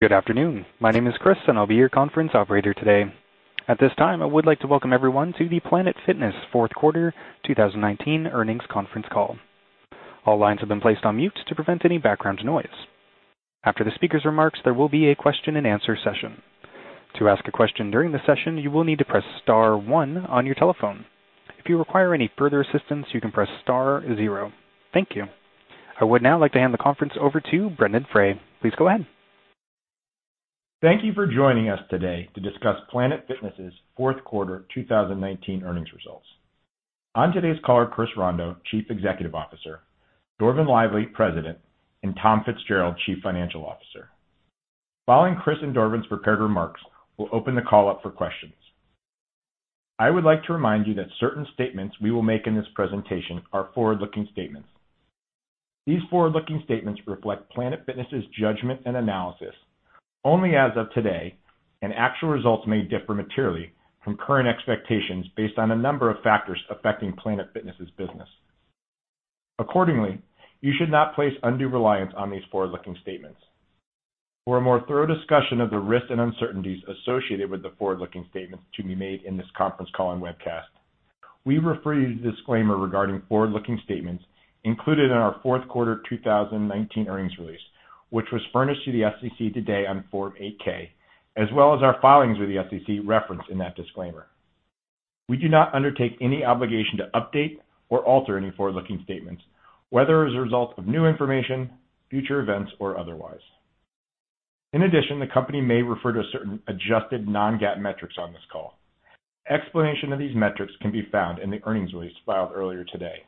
Good afternoon. My name is Chris, and I'll be your conference operator today. At this time, I would like to welcome everyone to the Planet Fitness fourth quarter 2019 earnings conference call. All lines have been placed on mute to prevent any background noise. After the speaker's remarks, there will be a question-and-answer session. To ask a question during the session, you will need to press star one on your telephone. If you require any further assistance, you can press star zero. Thank you. I would now like to hand the conference over to Brendon Frey. Please go ahead. Thank you for joining us today to discuss Planet Fitness's fourth quarter 2019 earnings results. On today's call are Chris Rondeau, Chief Executive Officer, Dorvin Lively, President, and Tom Fitzgerald, Chief Financial Officer. Following Chris and Dorvin's prepared remarks, we'll open the call up for questions. I would like to remind you that certain statements we will make in this presentation are forward-looking statements. These forward-looking statements reflect Planet Fitness' judgment and analysis only as of today, and actual results may differ materially from current expectations based on a number of factors affecting Planet Fitness' business. Accordingly, you should not place undue reliance on these forward-looking statements. For a more thorough discussion of the risks and uncertainties associated with the forward-looking statements to be made in this conference call and webcast, we refer you to the disclaimer regarding forward-looking statements included in our fourth quarter 2019 earnings release, which was furnished to the SEC today on Form 8-K, as well as our filings with the SEC referenced in that disclaimer. We do not undertake any obligation to update or alter any forward-looking statements, whether as a result of new information, future events, or otherwise. In addition, the company may refer to certain adjusted non-GAAP metrics on this call. Explanation of these metrics can be found in the earnings release filed earlier today.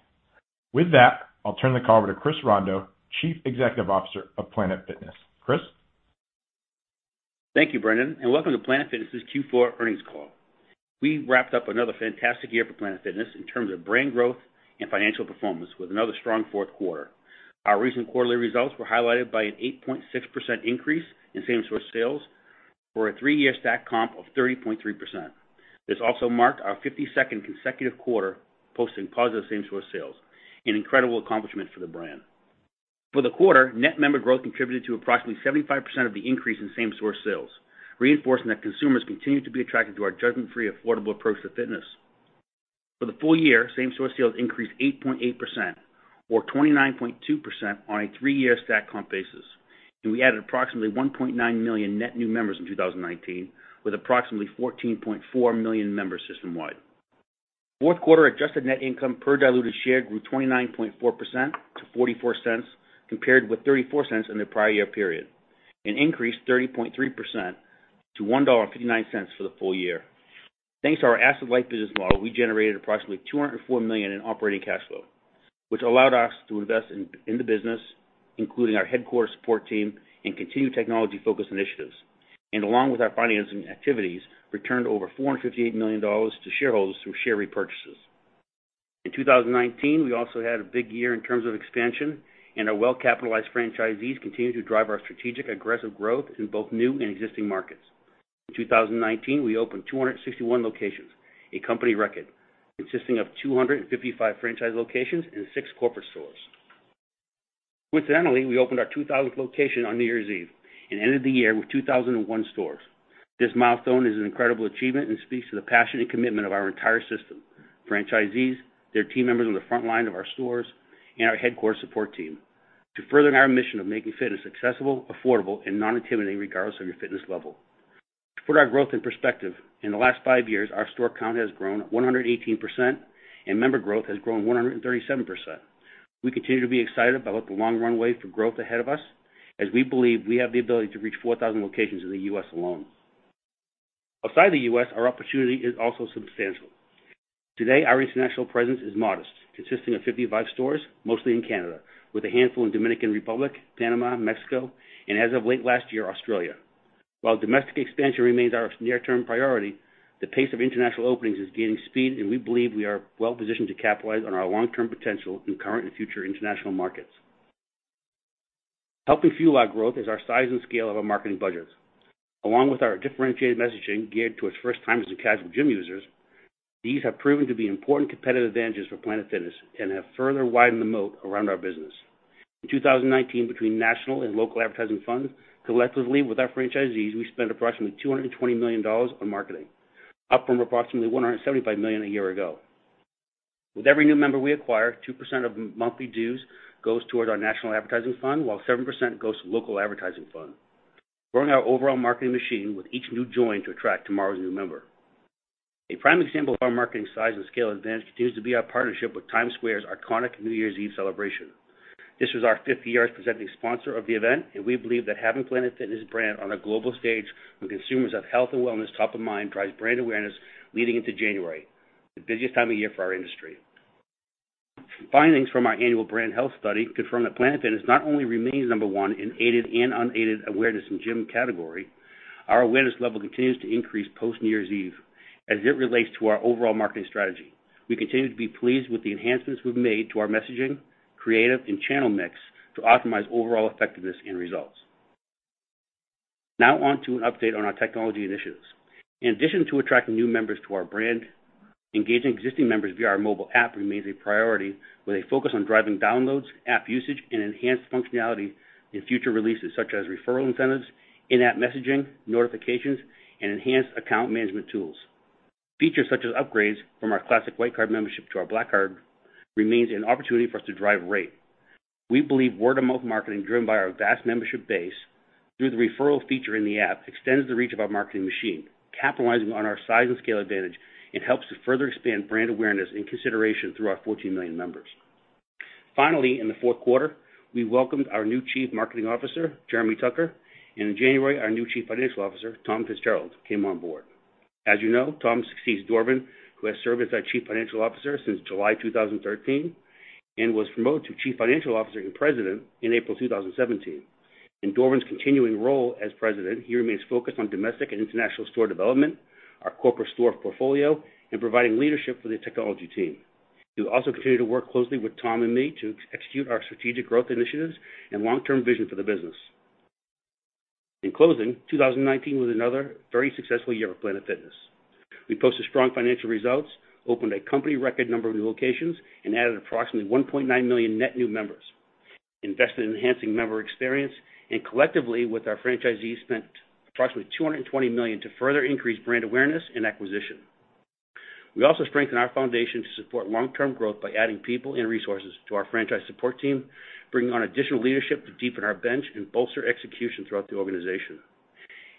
With that, I'll turn the call over to Chris Rondeau, Chief Executive Officer of Planet Fitness. Chris? Thank you, Brendon, and welcome to Planet Fitness's Q4 earnings call. We wrapped up another fantastic year for Planet Fitness in terms of brand growth and financial performance with another strong fourth quarter. Our recent quarterly results were highlighted by an 8.6% increase in same-store sales or a three-year stack comp of 30.3%. This also marked our 52nd consecutive quarter posting positive same-store sales, an incredible accomplishment for the brand. For the quarter, net member growth contributed to approximately 75% of the increase in same-store sales, reinforcing that consumers continue to be attracted to our judgment-free, affordable approach to fitness. For the full year, same-store sales increased 8.8% or 29.2% on a three-year stack comp basis, and we added approximately 1.9 million net new members in 2019, with approximately 14.4 million members system-wide. Fourth quarter adjusted net income per diluted share grew 29.4% to $0.44, compared with $0.34 in the prior year period, and increased 30.3% to $1.59 for the full year. Thanks to our asset-light business model, we generated approximately $204 million in operating cash flow, which allowed us to invest in the business, including our headquarters support team and continued technology-focused initiatives. Along with our financing activities, returned over $458 million to shareholders through share repurchases. In 2019, we also had a big year in terms of expansion, and our well-capitalized franchisees continued to drive our strategic aggressive growth in both new and existing markets. In 2019, we opened 261 locations, a company record, consisting of 255 franchise locations and six corporate stores. Coincidentally, we opened our 2,000th location on New Year's Eve and ended the year with 2,001 stores. This milestone is an incredible achievement and speaks to the passion and commitment of our entire system, franchisees, their team members on the front line of our stores, and our headquarters support team to furthering our mission of making fitness accessible, affordable, and non-intimidating, regardless of your fitness level. To put our growth in perspective, in the last five years, our store count has grown 118%, and member growth has grown 137%. We continue to be excited about the long runway for growth ahead of us, as we believe we have the ability to reach 4,000 locations in the U.S. alone. Outside the U.S., our opportunity is also substantial. Today, our international presence is modest, consisting of 55 stores, mostly in Canada, with a handful in Dominican Republic, Panama, Mexico, and as of late last year, Australia. While domestic expansion remains our near-term priority, the pace of international openings is gaining speed, and we believe we are well-positioned to capitalize on our long-term potential in current and future international markets. Helping fuel our growth is our size and scale of our marketing budgets. Along with our differentiated messaging geared towards first-timers and casual gym users, these have proven to be important competitive advantages for Planet Fitness and have further widened the moat around our business. In 2019, between national and local advertising funds, collectively with our franchisees, we spent approximately $220 million on marketing, up from approximately $175 million a year ago. With every new member we acquire, 2% of monthly dues goes toward our national advertising fund, while 7% goes to local advertising fund, growing our overall marketing machine with each new join to attract tomorrow's new member. A prime example of our marketing size and scale advantage continues to be our partnership with Times Square's iconic New Year's Eve celebration. This was our fifth year as presenting sponsor of the event, and we believe that having Planet Fitness' brand on a global stage where consumers have health and wellness top of mind drives brand awareness leading into January, the busiest time of year for our industry. Findings from our annual brand health study confirm that Planet Fitness not only remains number one in aided and unaided awareness in gym category, our awareness level continues to increase post New Year's Eve. As it relates to our overall marketing strategy, we continue to be pleased with the enhancements we've made to our messaging, creative, and channel mix to optimize overall effectiveness and results. Now on to an update on our technology initiatives. In addition to attracting new members to our brand, engaging existing members via our mobile app remains a priority, with a focus on driving downloads, app usage, and enhanced functionality in future releases, such as referral incentives, in-app messaging, notifications, and enhanced account management tools. Features such as upgrades from our Classic Card membership to our Black Card remains an opportunity for us to drive rate. We believe word-of-mouth marketing, driven by our vast membership base through the referral feature in the app, extends the reach of our marketing machine, capitalizing on our size and scale advantage, and helps to further expand brand awareness and consideration through our 14 million members. In the fourth quarter, we welcomed our new Chief Marketing Officer, Jeremy Tucker, and in January, our new Chief Financial Officer, Tom Fitzgerald, came on board. As you know, Tom succeeds Dorvin, who has served as our Chief Financial Officer since July 2013 and was promoted to Chief Financial Officer and President in April 2017. In Dorvin's continuing role as President, he remains focused on domestic and international store development, our corporate store portfolio, and providing leadership for the technology team. He will also continue to work closely with Tom and me to execute our strategic growth initiatives and long-term vision for the business. In closing, 2019 was another very successful year for Planet Fitness. We posted strong financial results, opened a company record number of new locations, and added approximately 1.9 million net new members, invested in enhancing member experience, and collectively, with our franchisees, spent approximately $220 million to further increase brand awareness and acquisition. We also strengthened our foundation to support long-term growth by adding people and resources to our franchise support team, bringing on additional leadership to deepen our bench and bolster execution throughout the organization.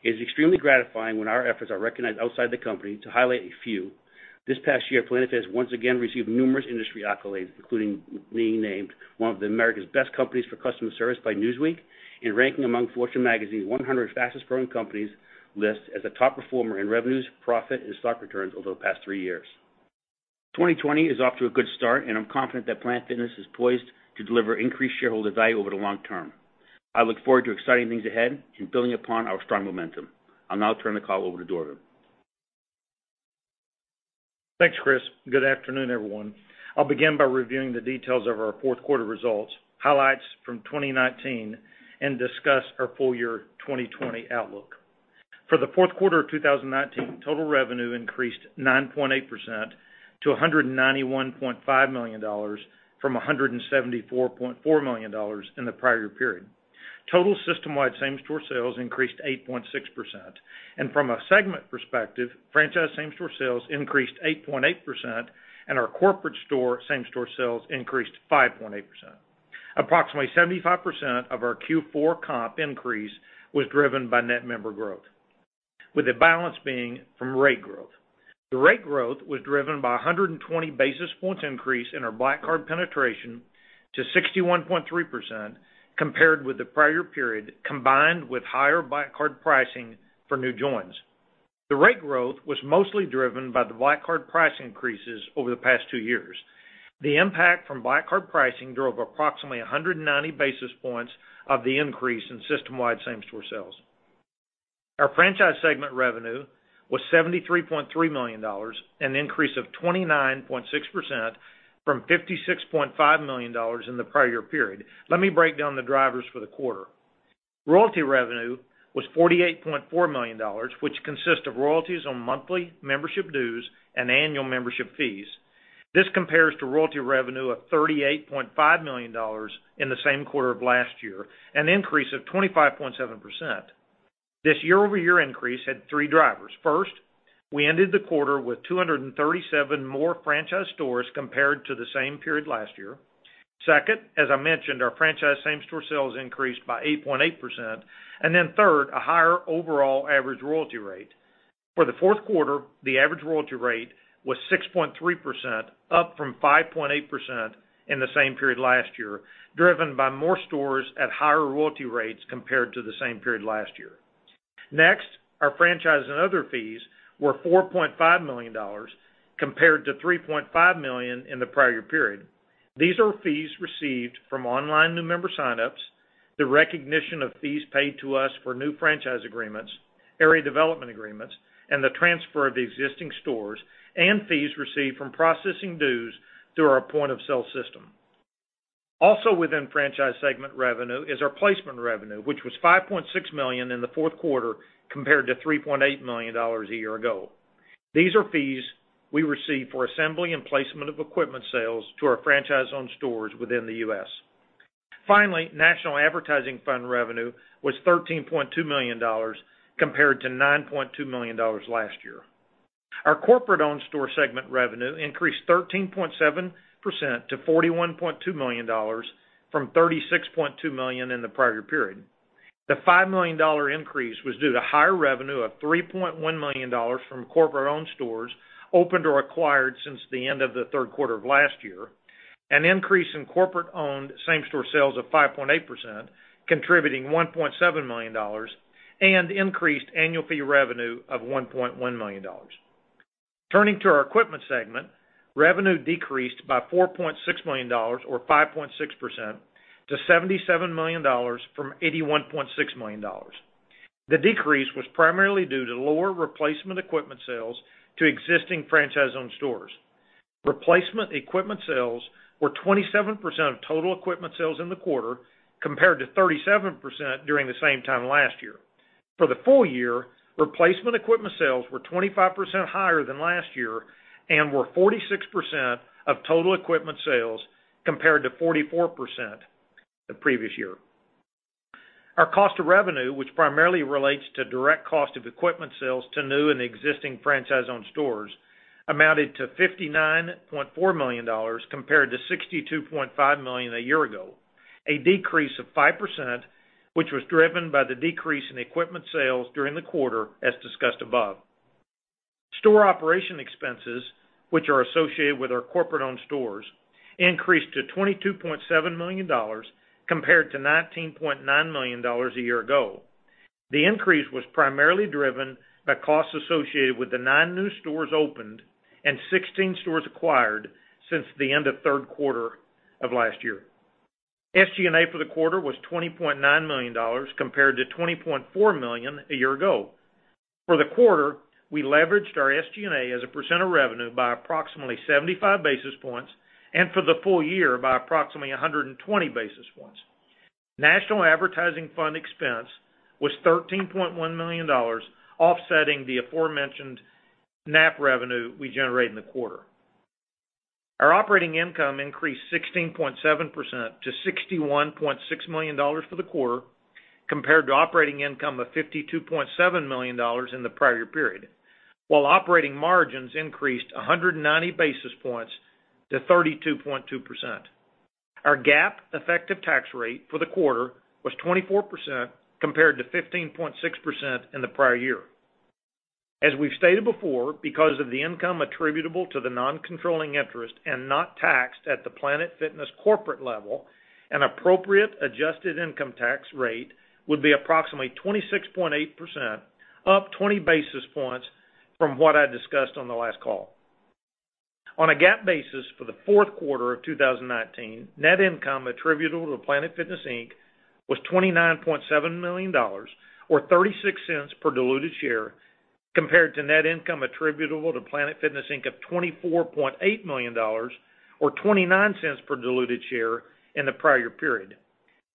It is extremely gratifying when our efforts are recognized outside the company. To highlight a few, this past year, Planet Fitness once again received numerous industry accolades, including being named one of America's best companies for customer service by Newsweek and ranking among Fortune magazine's 100 fastest growing companies list as a top performer in revenues, profit, and stock returns over the past three years. 2020 is off to a good start, and I'm confident that Planet Fitness is poised to deliver increased shareholder value over the long term. I look forward to exciting things ahead and building upon our strong momentum. I'll now turn the call over to Dorvin. Thanks, Chris. Good afternoon, everyone. I'll begin by reviewing the details of our fourth quarter results, highlights from 2019, and discuss our full year 2020 outlook. For the fourth quarter of 2019, total revenue increased 9.8% to $191.5 million from $174.4 million in the prior period. Total system-wide same-store sales increased 8.6%, and from a segment perspective, franchise same-store sales increased 8.8%, and our corporate store same-store sales increased 5.8%. Approximately 75% of our Q4 comp increase was driven by net member growth, with the balance being from rate growth. The rate growth was driven by 120 basis points increase in our Black Card penetration to 61.3%, compared with the prior period, combined with higher Black Card pricing for new joins. The rate growth was mostly driven by the Black Card price increases over the past two years. The impact from Black Card pricing drove approximately 190 basis points of the increase in system-wide same-store sales. Our franchise segment revenue was $73.3 million, an increase of 29.6% from $56.5 million in the prior period. Let me break down the drivers for the quarter. Royalty revenue was $48.4 million, which consists of royalties on monthly membership dues and annual membership fees. This compares to royalty revenue of $38.5 million in the same quarter of last year, an increase of 25.7%. This year-over-year increase had three drivers. First, we ended the quarter with 237 more franchise stores compared to the same period last year. Second, as I mentioned, our franchise same-store sales increased by 8.8%. Third, a higher overall average royalty rate. For the fourth quarter, the average royalty rate was 6.3%, up from 5.8% in the same period last year, driven by more stores at higher royalty rates compared to the same period last year. Our franchise and other fees were $4.5 million, compared to $3.5 million in the prior period. These are fees received from online new member sign-ups, the recognition of fees paid to us for new franchise agreements, area development agreements, and the transfer of existing stores, and fees received from processing dues through our point-of-sale system. Also within franchise segment revenue is our placement revenue, which was $5.6 million in the fourth quarter, compared to $3.8 million a year ago. These are fees we receive for assembly and placement of equipment sales to our franchise-owned stores within the U.S. National Advertising Fund revenue was $13.2 million, compared to $9.2 million last year. Our corporate-owned store segment revenue increased 13.7% to $41.2 million from $36.2 million in the prior period. The $5 million increase was due to higher revenue of $3.1 million from corporate-owned stores opened or acquired since the end of the third quarter of last year. An increase in corporate-owned same-store sales of 5.8%, contributing $1.7 million, and increased annual fee revenue of $1.1 million. Turning to our equipment segment, revenue decreased by $4.6 million or 5.6% to $77 million from $81.6 million. The decrease was primarily due to lower replacement equipment sales to existing franchise-owned stores. Replacement equipment sales were 27% of total equipment sales in the quarter, compared to 37% during the same time last year. For the full year, replacement equipment sales were 25% higher than last year and were 46% of total equipment sales, compared to 44% the previous year. Our cost of revenue, which primarily relates to direct cost of equipment sales to new and existing franchise-owned stores, amounted to $59.4 million, compared to $62.5 million a year ago, a decrease of 5%, which was driven by the decrease in equipment sales during the quarter as discussed above. Store operation expenses, which are associated with our corporate-owned stores, increased to $22.7 million compared to $19.9 million a year ago. The increase was primarily driven by costs associated with the nine new stores opened and 16 stores acquired since the end of third quarter of last year. SG&A for the quarter was $20.9 million compared to $20.4 million a year ago. For the quarter, we leveraged our SG&A as a percent of revenue by approximately 75 basis points, and for the full year by approximately 120 basis points. National Advertising Fund expense was $13.1 million, offsetting the aforementioned NAF revenue we generated in the quarter. Our operating income increased 16.7% to $61.6 million for the quarter, compared to operating income of $52.7 million in the prior period, while operating margins increased 190 basis points to 32.2%. Our GAAP effective tax rate for the quarter was 24% compared to 15.6% in the prior year. As we've stated before, because of the income attributable to the non-controlling interest and not taxed at the Planet Fitness corporate level, an appropriate adjusted income tax rate would be approximately 26.8%, up 20 basis points from what I discussed on the last call. On a GAAP basis for the fourth quarter of 2019, net income attributable to Planet Fitness, Inc. was $29.7 million, or $0.36 per diluted share, compared to net income attributable to Planet Fitness, Inc. of $24.8 million or $0.29 per diluted share in the prior period.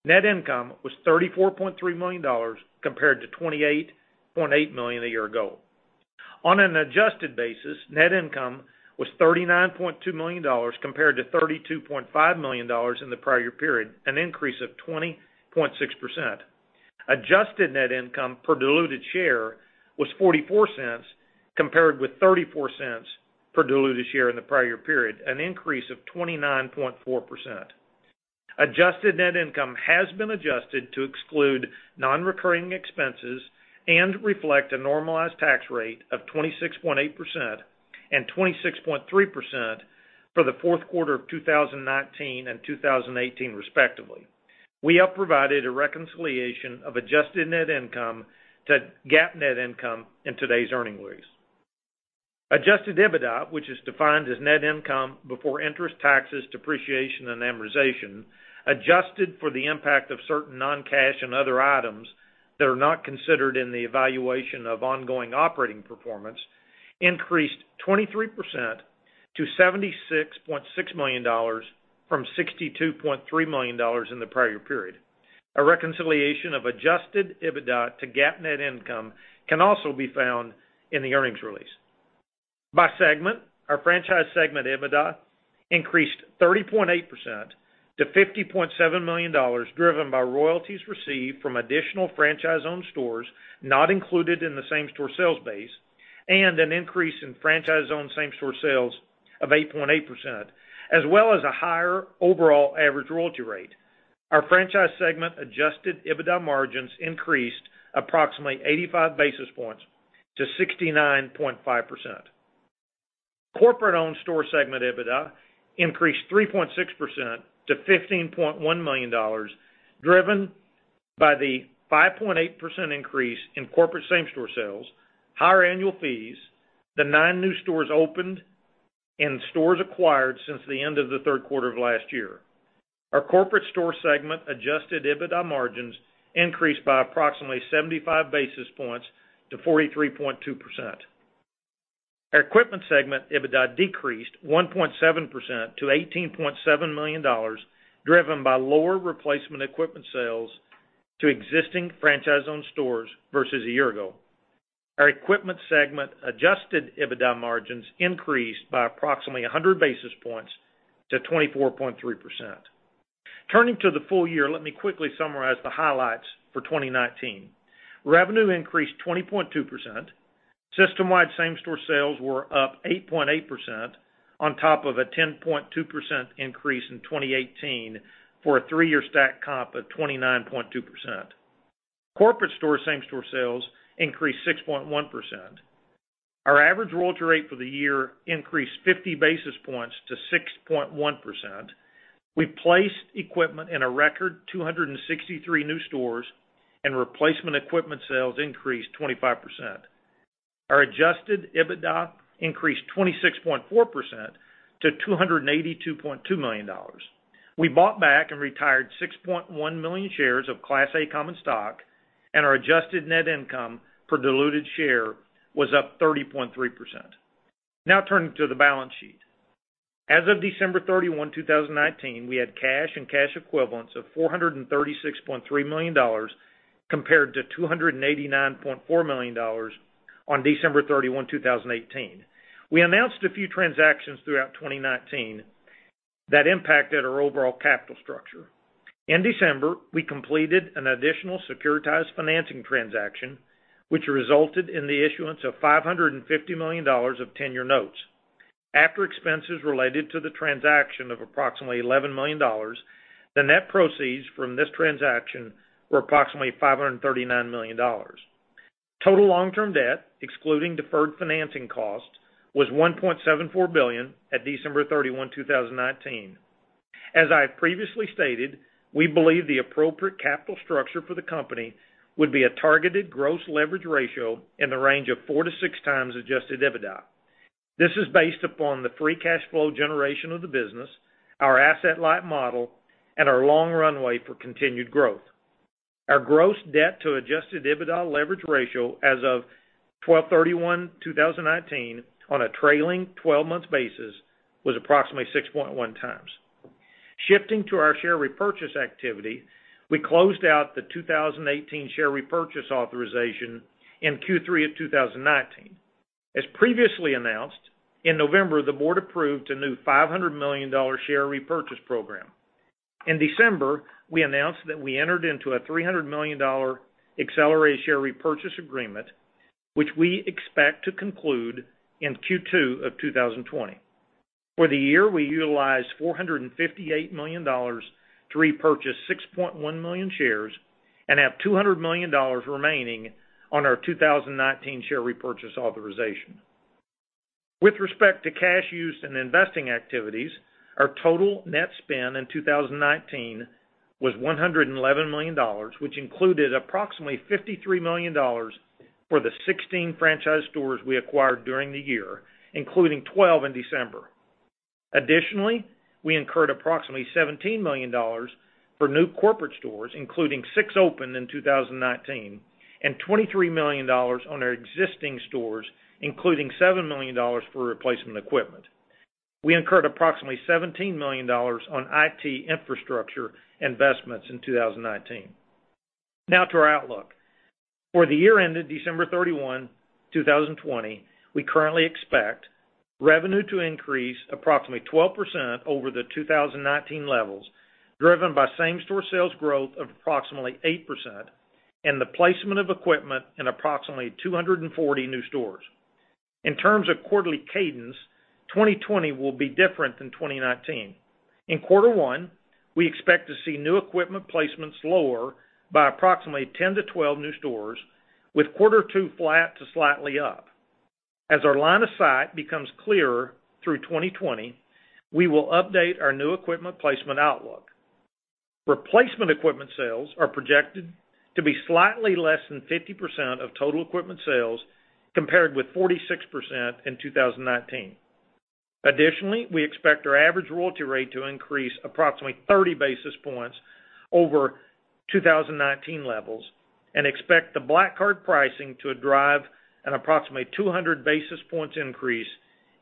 Net income was $34.3 million, compared to $28.8 million a year ago. On an adjusted basis, net income was $39.2 million, compared to $32.5 million in the prior period, an increase of 20.6%. Adjusted net income per diluted share was $0.44, compared with $0.34 per diluted share in the prior period, an increase of 29.4%. Adjusted net income has been adjusted to exclude non-recurring expenses and reflect a normalized tax rate of 26.8% and 26.3% for the fourth quarter of 2019 and 2018, respectively. We have provided a reconciliation of adjusted net income to GAAP net income in today's earnings release. Adjusted EBITDA, which is defined as net income before interest, taxes, depreciation, and amortization, adjusted for the impact of certain non-cash and other items that are not considered in the evaluation of ongoing operating performance, increased 23% to $76.6 million from $62.3 million in the prior period. A reconciliation of adjusted EBITDA to GAAP net income can also be found in the earnings release. By segment, our franchise segment EBITDA increased 30.8% to $50.7 million, driven by royalties received from additional franchise-owned stores not included in the same-store sales base and an increase in franchise-owned same-store sales of 8.8%, as well as a higher overall average royalty rate. Our franchise segment adjusted EBITDA margins increased approximately 85 basis points to 69.5%. Corporate-owned store segment EBITDA increased 3.6% to $15.1 million, driven by the 5.8% increase in corporate same-store sales, higher annual fees, the nine new stores opened, and stores acquired since the end of the third quarter of last year. Our corporate store segment adjusted EBITDA margins increased by approximately 75 basis points to 43.2%. Our equipment segment EBITDA decreased 1.7% to $18.7 million, driven by lower replacement equipment sales to existing franchise-owned stores versus a year ago. Our equipment segment adjusted EBITDA margins increased by approximately 100 basis points to 24.3%. Turning to the full year, let me quickly summarize the highlights for 2019. Revenue increased 20.2%. System-wide same-store sales were up 8.8% on top of a 10.2% increase in 2018 for a three-year stacked comp of 29.2%. Corporate store same-store sales increased 6.1%. Our average royalty rate for the year increased 50 basis points to 6.1%. We placed equipment in a record 263 new stores, and replacement equipment sales increased 25%. Our adjusted EBITDA increased 26.4% to $282.2 million. We bought back and retired 6.1 million shares of Class A common stock, and our adjusted net income for diluted share was up 30.3%. Turning to the balance sheet. As of December 31, 2019, we had cash and cash equivalents of $436.3 million compared to $289.4 million on December 31, 2018. We announced a few transactions throughout 2019 that impacted our overall capital structure. In December, we completed an additional securitized financing transaction, which resulted in the issuance of $550 million of term notes. After expenses related to the transaction of approximately $11 million, the net proceeds from this transaction were approximately $539 million. Total long-term debt, excluding deferred financing costs, was $1.74 billion at December 31, 2019. As I have previously stated, we believe the appropriate capital structure for the company would be a targeted gross leverage ratio in the range of four to 6x adjusted EBITDA. This is based upon the free cash flow generation of the business, our asset-light model, and our long runway for continued growth. Our gross debt to adjusted EBITDA leverage ratio as of 12/31/2019 on a trailing 12-month basis was approximately 6.1x. Shifting to our share repurchase activity, we closed out the 2018 share repurchase authorization in Q3 of 2019. As previously announced, in November, the board approved a new $500 million share repurchase program. In December, we announced that we entered into a $300 million accelerated share repurchase agreement, which we expect to conclude in Q2 of 2020. For the year, we utilized $458 million to repurchase 6.1 million shares and have $200 million remaining on our 2019 share repurchase authorization. With respect to cash use and investing activities, our total net spend in 2019 was $111 million, which included approximately $53 million for the 16 franchise stores we acquired during the year, including 12 in December. Additionally, we incurred approximately $17 million for new corporate stores, including six opened in 2019, and $23 million on our existing stores, including $7 million for replacement equipment. We incurred approximately $17 million on IT infrastructure investments in 2019. Now to our outlook. For the year ended December 31, 2020, we currently expect revenue to increase approximately 12% over the 2019 levels, driven by same-store sales growth of approximately 8% and the placement of equipment in approximately 240 new stores. In terms of quarterly cadence, 2020 will be different than 2019. In quarter one, we expect to see new equipment placements lower by approximately 10-12 new stores, with quarter two flat to slightly up. As our line of sight becomes clearer through 2020, we will update our new equipment placement outlook. Replacement equipment sales are projected to be slightly less than 50% of total equipment sales, compared with 46% in 2019. Additionally, we expect our average royalty rate to increase approximately 30 basis points over 2019 levels and expect the Black Card pricing to drive an approximately 200 basis points increase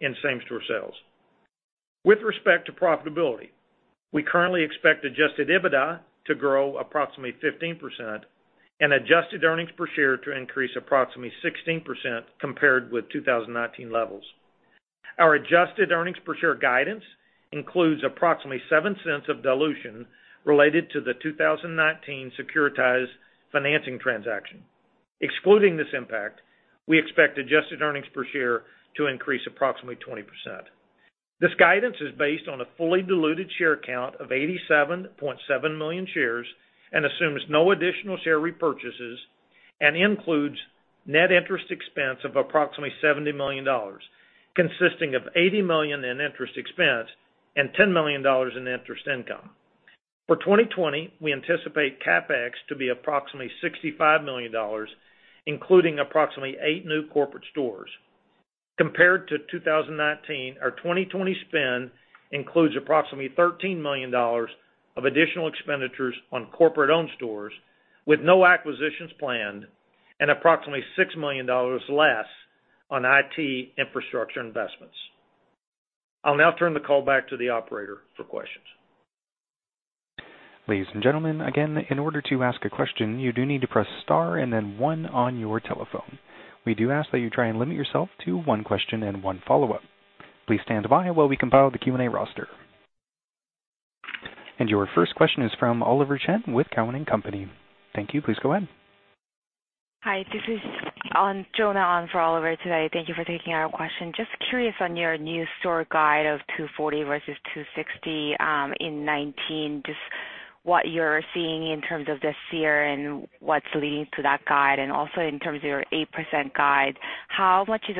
in same-store sales. With respect to profitability, we currently expect adjusted EBITDA to grow approximately 15% and adjusted earnings per share to increase approximately 16% compared with 2019 levels. Our adjusted earnings per share guidance includes approximately $0.07 of dilution related to the 2019 securitized financing transaction. Excluding this impact, we expect adjusted earnings per share to increase approximately 20%. This guidance is based on a fully diluted share count of 87.7 million shares and assumes no additional share repurchases and includes net interest expense of approximately $70 million, consisting of $80 million in interest expense and $10 million in interest income. For 2020, we anticipate CapEx to be approximately $65 million, including approximately eight new corporate stores. Compared to 2019, our 2020 spend includes approximately $13 million of additional expenditures on corporate-owned stores with no acquisitions planned and approximately $6 million less on IT infrastructure investments. I'll now turn the call back to the operator for questions. Ladies and gentlemen, again, in order to ask a question, you do need to press star and then one on your telephone. We do ask that you try and limit yourself to one question and one follow-up. Please stand by while we compile the Q&A roster. Your first question is from Oliver Chen with Cowen and Company. Thank you. Please go ahead. Hi, this is Jonna on for Oliver today. Thank you for taking our question. Just curious on your new store guide of 240 versus 260, in 2019, just what you're seeing in terms of this year and what's leading to that guide, and also in terms of your 8% guide, how much is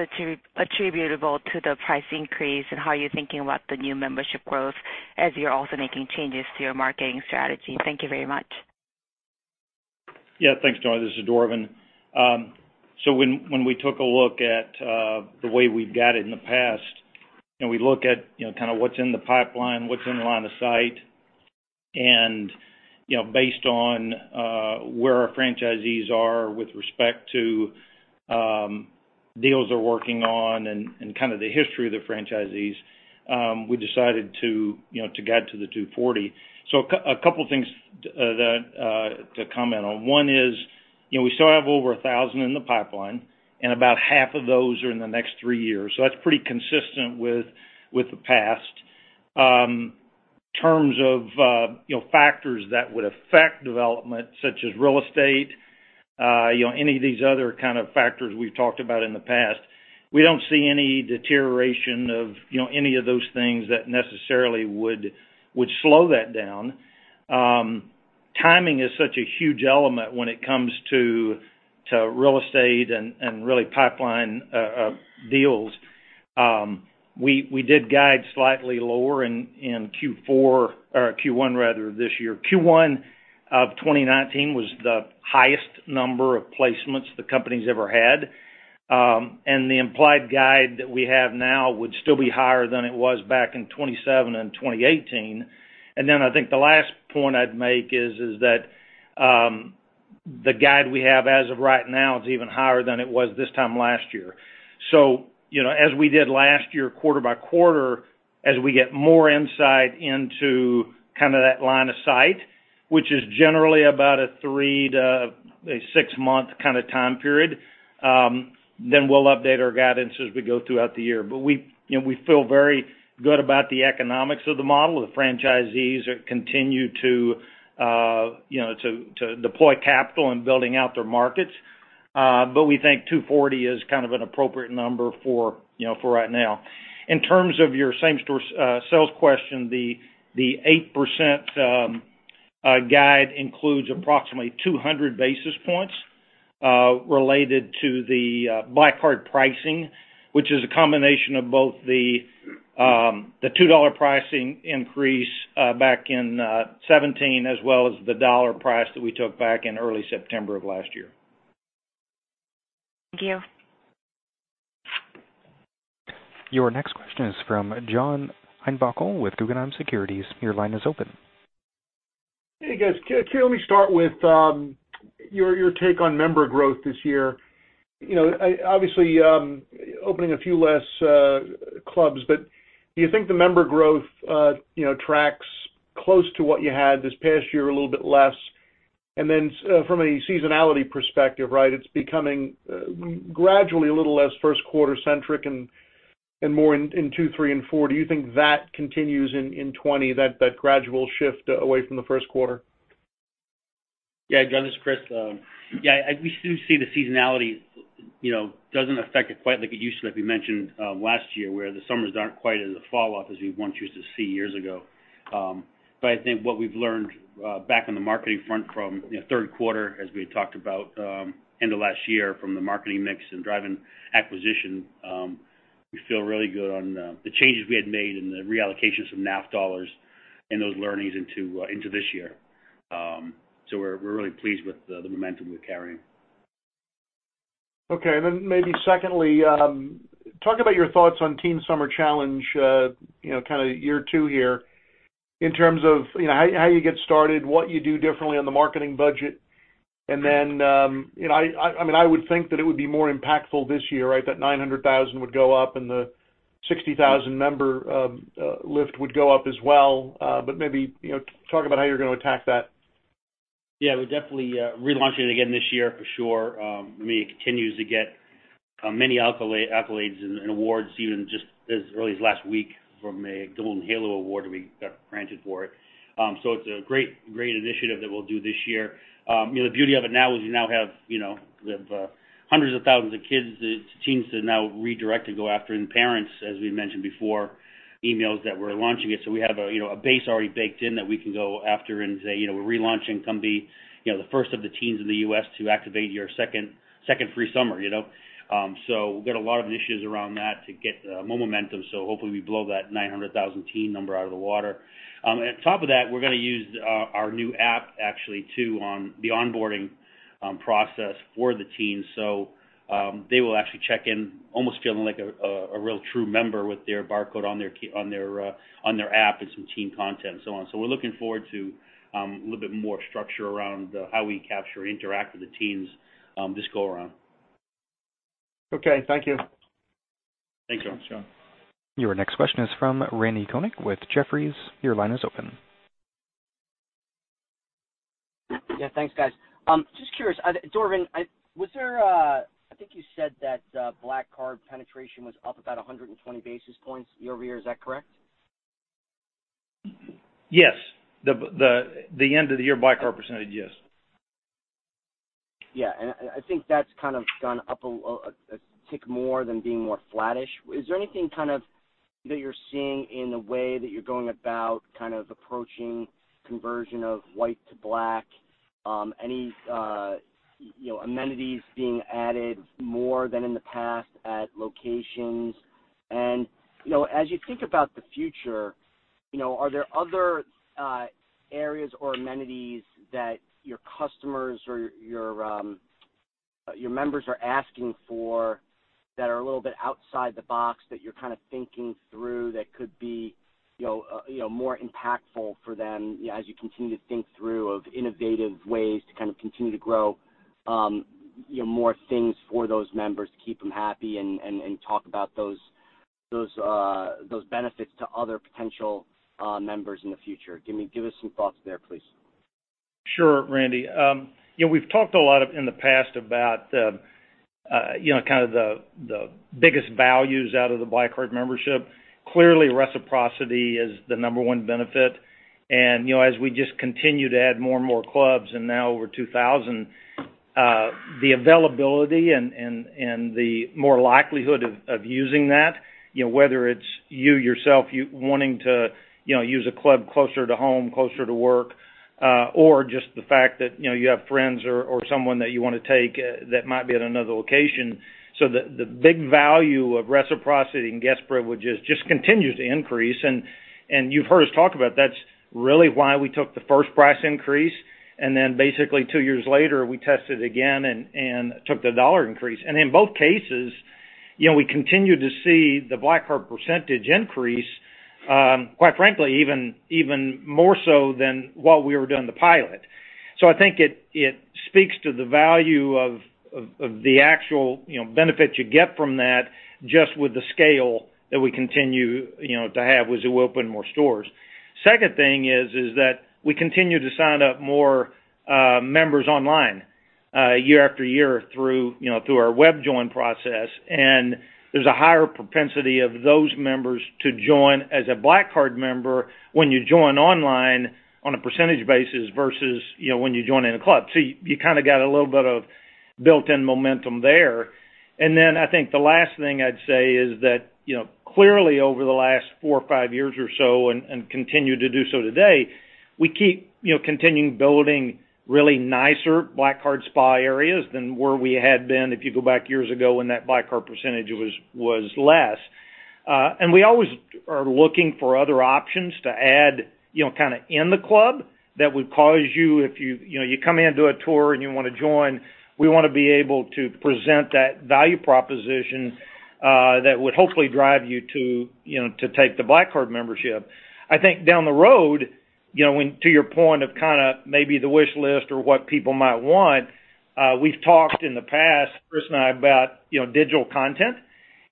attributable to the price increase and how you're thinking about the new membership growth as you're also making changes to your marketing strategy? Thank you very much. Yeah. Thanks, Jonna. This is Dorvin. When we took a look at the way we've guided in the past, and we look at what's in the pipeline, what's in the line of sight. Based on where our franchisees are with respect to deals they're working on and the history of the franchisees, we decided to guide to the 240. A couple things to comment on. One is, we still have over 1,000 in the pipeline, and about half of those are in the next three years. That's pretty consistent with the past. Terms of factors that would affect development, such as real estate, any of these other kind of factors we've talked about in the past, we don't see any deterioration of any of those things that necessarily would slow that down. Timing is such a huge element when it comes to real estate and really pipeline deals. We did guide slightly lower in Q4 or Q1 rather this year. Q1 of 2019 was the highest number of placements the company's ever had. The implied guide that we have now would still be higher than it was back in 2017 and 2018. I think the last point I'd make is that the guide we have as of right now is even higher than it was this time last year. As we did last year, quarter-by-quarter, as we get more insight into that line of sight, which is generally about a three to a six-month kind of time period, then we'll update our guidance as we go throughout the year. We feel very good about the economics of the model. The franchisees continue to deploy capital and building out their markets. We think 240 is kind of an appropriate number for right now. In terms of your same-store sales question, the 8% guide includes approximately 200 basis points related to the Black Card pricing, which is a combination of both the $2 pricing increase back in 2017 as well as the $1 price that we took back in early September of last year. Thank you. Your next question is from John Heinbockel with Guggenheim Securities. Your line is open. Hey, guys. Let me start with your take on member growth this year. Obviously, opening a few less clubs, do you think the member growth tracks close to what you had this past year, a little bit less? From a seasonality perspective, it's becoming gradually a little less first-quarter centric and more in two, three, and four. Do you think that continues in 2020, that gradual shift away from the first quarter? Yeah, John, this is Chris. We do see the seasonality doesn't affect it quite like it used to, like we mentioned last year, where the summers aren't quite as a falloff as we once used to see years ago. I think what we've learned back on the marketing front from third quarter as we had talked about end of last year from the marketing mix and driving acquisition, we feel really good on the changes we had made and the reallocations of NAF dollars and those learnings into this year. We're really pleased with the momentum we're carrying. Okay, maybe secondly, talk about your thoughts on Teen Summer Challenge, year two here in terms of how you get started, what you do differently on the marketing budget. I would think that it would be more impactful this year. That 900,000 would go up and the 60,000 member lift would go up as well. Maybe, talk about how you're going to attack that. We're definitely relaunching it again this year for sure. I mean, it continues to get many accolades and awards even just as early as last week from a Golden Halo Award we got granted for it. It's a great initiative that we'll do this year. The beauty of it now is we now have hundreds of thousands of kids, the teens to now redirect and go after, and parents, as we mentioned before, emails that we're launching it. We have a base already baked in that we can go after and say, "We're relaunching. Come be the first of the teens in the U.S. to activate your second free summer." We've got a lot of initiatives around that to get more momentum. Hopefully, we blow that 900,000 teen number out of the water. On top of that, we're going to use our new app actually too on the onboarding process for the teens. They will actually check in almost feeling like a real true member with their barcode on their app and some teen content and so on. We're looking forward to a little bit more structure around how we capture and interact with the teens this go around. Okay. Thank you. Thanks, John. Thanks, John. Your next question is from Randy Konik with Jefferies. Your line is open. Yeah, thanks, guys. Just curious, Dorvin, I think you said that Black Card penetration was up about 120 basis points year-over-year. Is that correct? Yes. The end-of-the-year Black Card percentage, yes. Yeah, I think that's kind of gone up a tick more than being more flattish. Is there anything that you're seeing in the way that you're going about approaching conversion of White to Black? Any amenities being added more than in the past at locations? As you think about the future, are there other areas or amenities that your customers or your members are asking for that are a little bit outside the box that you're thinking through that could be more impactful for them as you continue to think through of innovative ways to continue to grow more things for those members to keep them happy and talk about those benefits to other potential members in the future? Give us some thoughts there, please? Sure, Randy. We've talked a lot in the past about the biggest values out of the Black Card membership. Clearly, reciprocity is the number one benefit. As we just continue to add more and more clubs, and now over 2,000, the availability and the more likelihood of using that, whether it's you yourself wanting to use a club closer to home, closer to work, or just the fact that you have friends or someone that you want to take that might be at another location. The big value of reciprocity and guest privileges just continues to increase. You've heard us talk about that's really why we took the first price increase, then basically two years later, we tested again and took the dollar increase. In both cases, we continued to see the Black Card percentage increase, quite frankly, even more so than while we were doing the pilot. I think it speaks to the value of the actual benefit you get from that, just with the scale that we continue to have as we open more stores. Second thing is that we continue to sign up more members online year after year through our web join process, and there's a higher propensity of those members to join as a Black Card member when you join online on a percentage basis versus when you join in a club. You kind of got a little bit of built-in momentum there. I think the last thing I'd say is that, clearly over the last four or five years or so, and continue to do so today, we keep continuing building really nicer Black Card spa areas than where we had been if you go back years ago when that Black Card percentage was less. We always are looking for other options to add in the club that would cause you, if you come in and do a tour and you want to join, we want to be able to present that value proposition that would hopefully drive you to take the Black Card membership. I think down the road, to your point of maybe the wish list or what people might want, we've talked in the past, Chris and I, about digital content.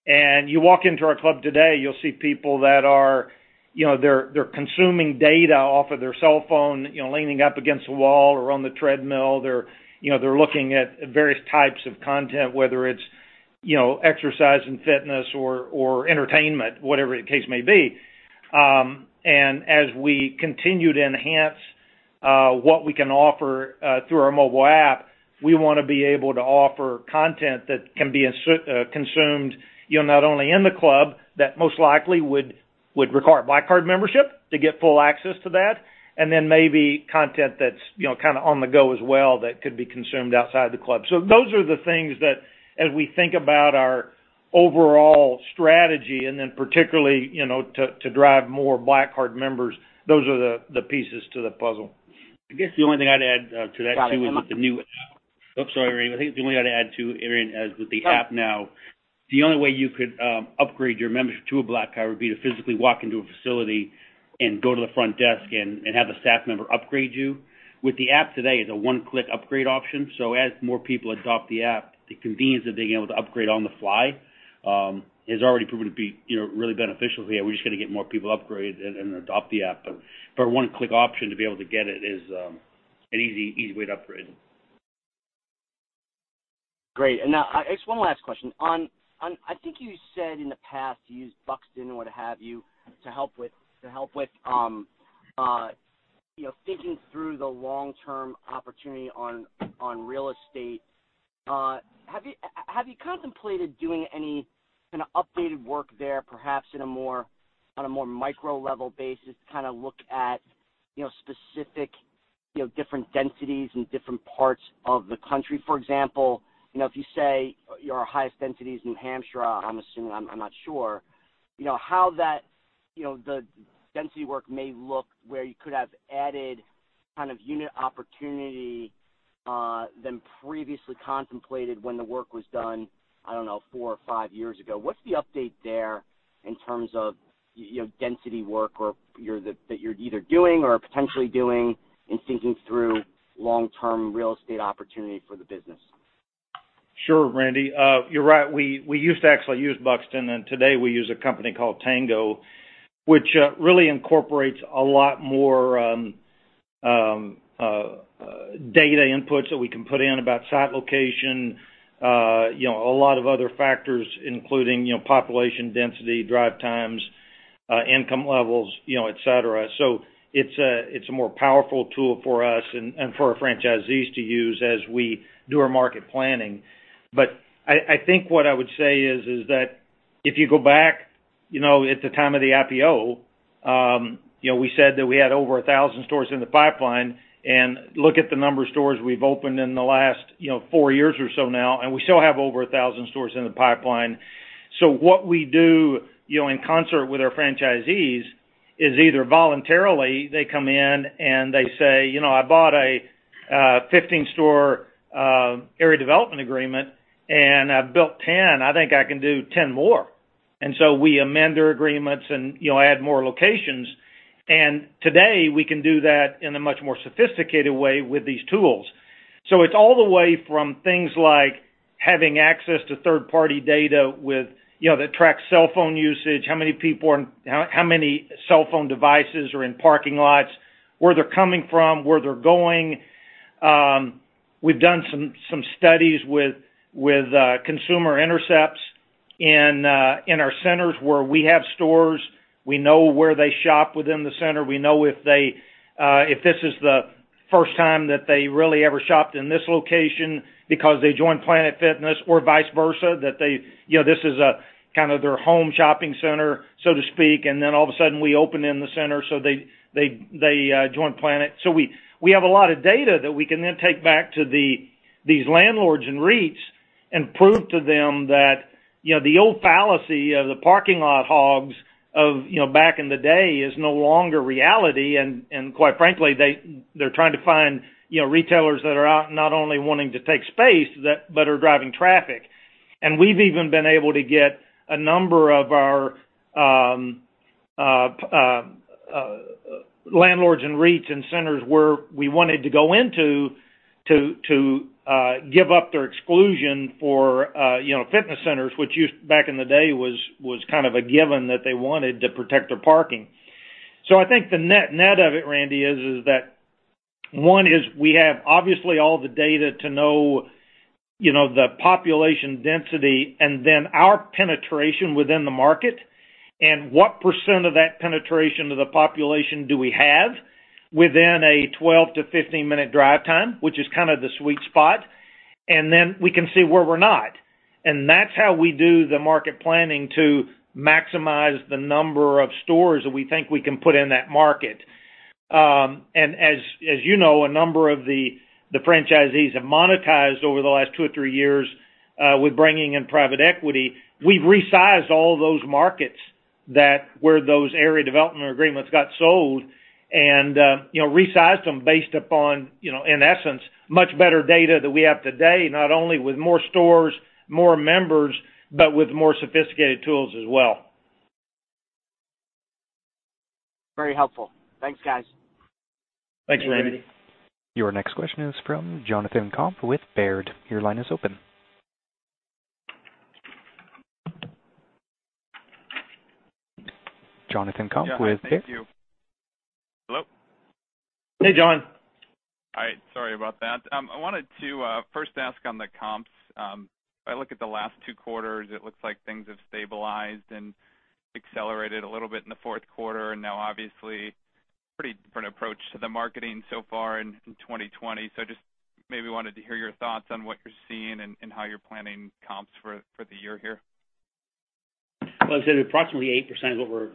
You walk into our club today, you'll see people that are consuming data off of their cell phone, leaning up against the wall or on the treadmill. They're looking at various types of content, whether it's exercise and fitness or entertainment, whatever the case may be. As we continue to enhance what we can offer through our mobile app, we want to be able to offer content that can be consumed not only in the club that most likely would require Black Card membership to get full access to that, maybe content that's kind of on the go as well that could be consumed outside the club. Those are the things that as we think about our overall strategy, particularly to drive more Black Card members, those are the pieces to the puzzle. I guess the only thing I'd add to that too is with the new app. I'm sorry, Randy. I think the only thing I'd add too, [Aaron], as with the app now, the only way you could upgrade your membership to a Black Card would be to physically walk into a facility and go to the front desk and have a staff member upgrade you. With the app today, it's a one-click upgrade option. As more people adopt the app, the convenience of being able to upgrade on the fly has already proven to be really beneficial here. We just got to get more people upgraded and adopt the app. One-click option to be able to get it is an easy way to upgrade. Great. Now, just one last question. I think you said in the past you used Buxton or what have you to help with thinking through the long-term opportunity on real estate. Have you contemplated doing any kind of updated work there, perhaps on a more micro level basis to kind of look at specific different densities in different parts of the country? For example, if you say your highest density is New Hampshire, I'm assuming, I'm not sure, how the density work may look where you could have added unit opportunity than previously contemplated when the work was done, I don't know, four or five years ago. What's the update there in terms of density work or that you're either doing or potentially doing in thinking through long-term real estate opportunity for the business? Sure, Randy. You're right. We used to actually use Buxton, and today we use a company called Tango, which really incorporates a lot more data inputs that we can put in about site location, a lot of other factors including population density, drive times, income levels, et cetera. It's a more powerful tool for us and for our franchisees to use as we do our market planning. I think what I would say is that if you go back at the time of the IPO, we said that we had over 1,000 stores in the pipeline, and look at the number of stores we've opened in the last four years or so now, and we still have over 1,000 stores in the pipeline. What we do, in concert with our franchisees, is either voluntarily, they come in and they say, "I bought a 15-store area development agreement and I've built 10. I think I can do 10 more." We amend their agreements and add more locations. Today, we can do that in a much more sophisticated way with these tools. It's all the way from things like having access to third-party data that tracks cell phone usage, how many cell phone devices are in parking lots, where they're coming from, where they're going. We've done some studies with consumer intercepts in our centers where we have stores. We know where they shop within the center. We know if this is the first time that they really ever shopped in this location because they joined Planet Fitness or vice versa, that this is kind of their home shopping center, so to speak. All of a sudden, we open in the center, they join Planet. We have a lot of data that we can then take back to these landlords and REITs and prove to them that the old fallacy of the parking lot hogs of back in the day is no longer reality. Quite frankly, they're trying to find retailers that are out, not only wanting to take space, but are driving traffic. We've even been able to get a number of our landlords and REITs in centers where we wanted to go into to give up their exclusion for fitness centers, which back in the day was kind of a given that they wanted to protect their parking. I think the net of it, Randy, is that one is we have obviously all the data to know the population density and then our penetration within the market and what percent of that penetration of the population do we have within a 12-15-minute drive time, which is kind of the sweet spot, and then we can see where we're not. That's how we do the market planning to maximize the number of stores that we think we can put in that market. As you know, a number of the franchisees have monetized over the last two or three years, with bringing in private equity. We've resized all those markets where those area development agreements got sold and resized them based upon, in essence, much better data that we have today, not only with more stores, more members, but with more sophisticated tools as well. Very helpful. Thanks, guys. Thanks, Randy. Your next question is from Jonathan Komp with Baird. Your line is open. Jonathan Komp with Baird. Thank you. Hello? Hey, John. All right. Sorry about that. I wanted to first ask on the comps. If I look at the last two quarters, it looks like things have stabilized and accelerated a little bit in the fourth quarter. Now, obviously pretty different approach to the marketing so far in 2020. Just maybe wanted to hear your thoughts on what you're seeing and how you're planning comps for the year here. Well, I said approximately 8% is what we're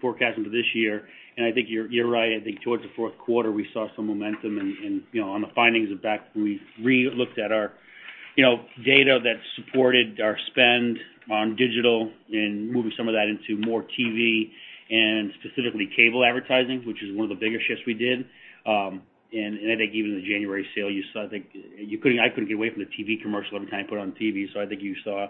forecasting for this year. I think you're right. I think towards the fourth quarter, we saw some momentum and on the findings of that, we re-looked at our data that supported our spend on digital and moving some of that into more TV and specifically cable advertising, which is one of the bigger shifts we did. I think even the January sale, I couldn't get away from the TV commercial every time you put it on TV. I think you saw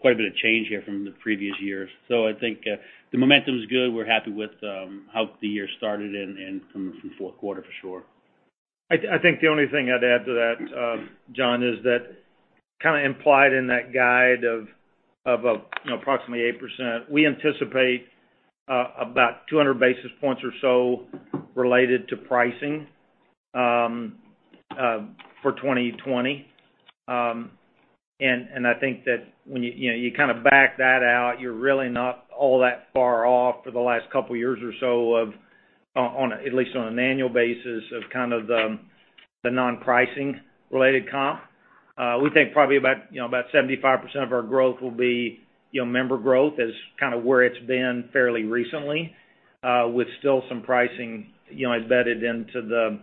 quite a bit of change here from the previous year. I think the momentum is good. We're happy with how the year started and coming from fourth quarter for sure. I think the only thing I'd add to that, John, is that kind of implied in that guide of approximately 8%, we anticipate about 200 basis points or so related to pricing for 2020. I think that when you kind of back that out, you're really not all that far off for the last couple of years or so, at least on an annual basis, of kind of the non-pricing related comp. We think probably about 75% of our growth will be member growth as kind of where it's been fairly recently, with still some pricing embedded into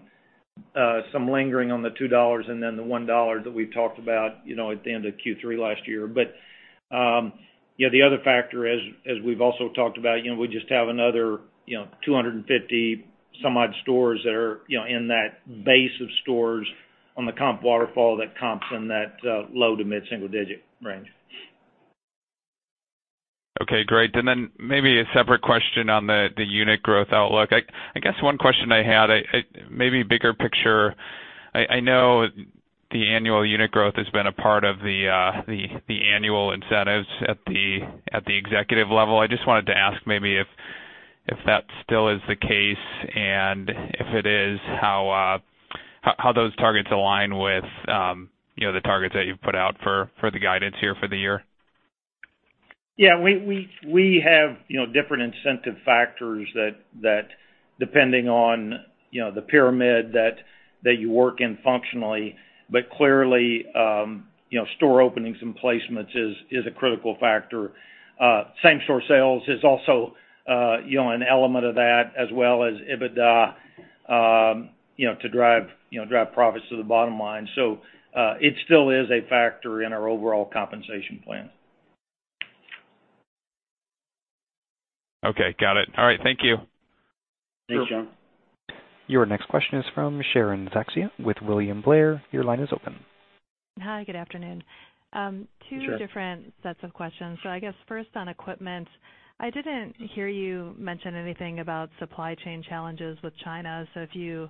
some lingering on the $2 and then the $1 that we've talked about at the end of Q3 last year. The other factor, as we've also talked about, we just have another 250 some odd stores that are in that base of stores on the comp waterfall that comps in that low to mid-single digit range. Okay, great. Maybe a separate question on the unit growth outlook. I guess one question I had, maybe bigger picture, I know the annual unit growth has been a part of the annual incentives at the executive level. I just wanted to ask maybe if that still is the case, and if it is, how those targets align with the targets that you've put out for the guidance here for the year? Yeah, we have different incentive factors that depending on the pyramid that you work in functionally, but clearly, store openings and placements is a critical factor. Same-store sales is also an element of that as well as EBITDA to drive profits to the bottom line. It still is a factor in our overall compensation plan. Okay, got it. All right, thank you. Thanks, John. Your next question is from Sharon Zackfia with William Blair. Your line is open. Hi, good afternoon. Hi, Sharon. Two different sets of questions. I guess first on equipment, I didn't hear you mention anything about supply chain challenges with China. If you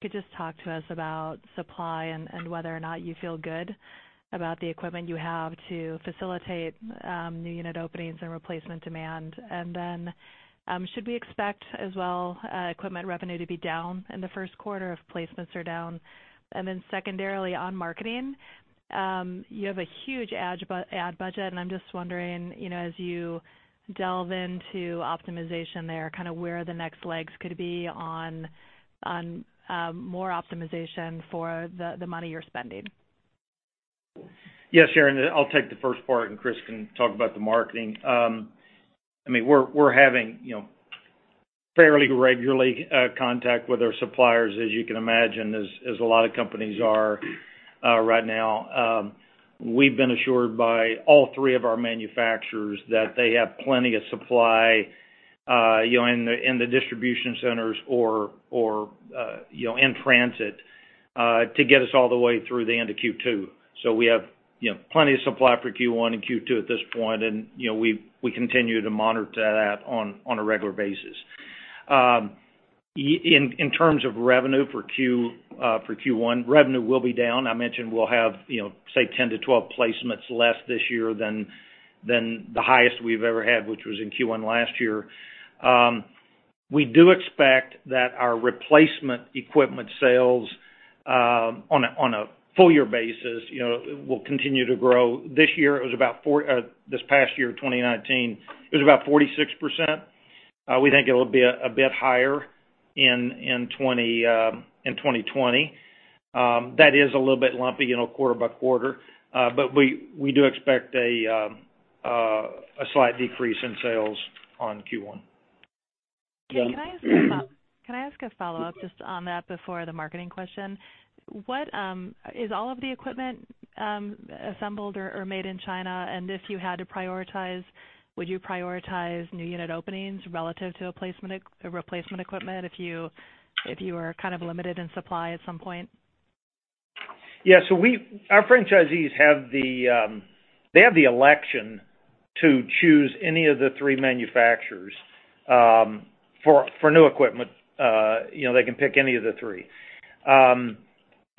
could just talk to us about supply and whether or not you feel good about the equipment you have to facilitate new unit openings and replacement demand. Should we expect as well, equipment revenue to be down in the first quarter if placements are down? Secondarily, on marketing, you have a huge ad budget, and I'm just wondering, as you delve into optimization there, where the next legs could be on more optimization for the money you're spending. Yes, Sharon. I'll take the first part and Chris can talk about the marketing. We're having fairly regular contact with our suppliers, as you can imagine, as a lot of companies are right now. We've been assured by all three of our manufacturers that they have plenty of supply in the distribution centers or in transit to get us all the way through the end of Q2. We have plenty of supply for Q1 and Q2 at this point, and we continue to monitor that on a regular basis. In terms of revenue for Q1, revenue will be down. I mentioned we'll have, say, 10-12 placements less this year than the highest we've ever had, which was in Q1 last year. We do expect that our replacement equipment sales on a full year basis will continue to grow. This past year, 2019, it was about 46%. We think it'll be a bit higher in 2020. That is a little bit lumpy quarter-by-quarter. We do expect a slight decrease in sales on Q1. Can I ask a follow-up just on that before the marketing question? Is all of the equipment assembled or made in China? If you had to prioritize, would you prioritize new unit openings relative to a replacement equipment if you were kind of limited in supply at some point? Yeah. Our franchisees, they have the election to choose any of the three manufacturers for new equipment. They can pick any of the three.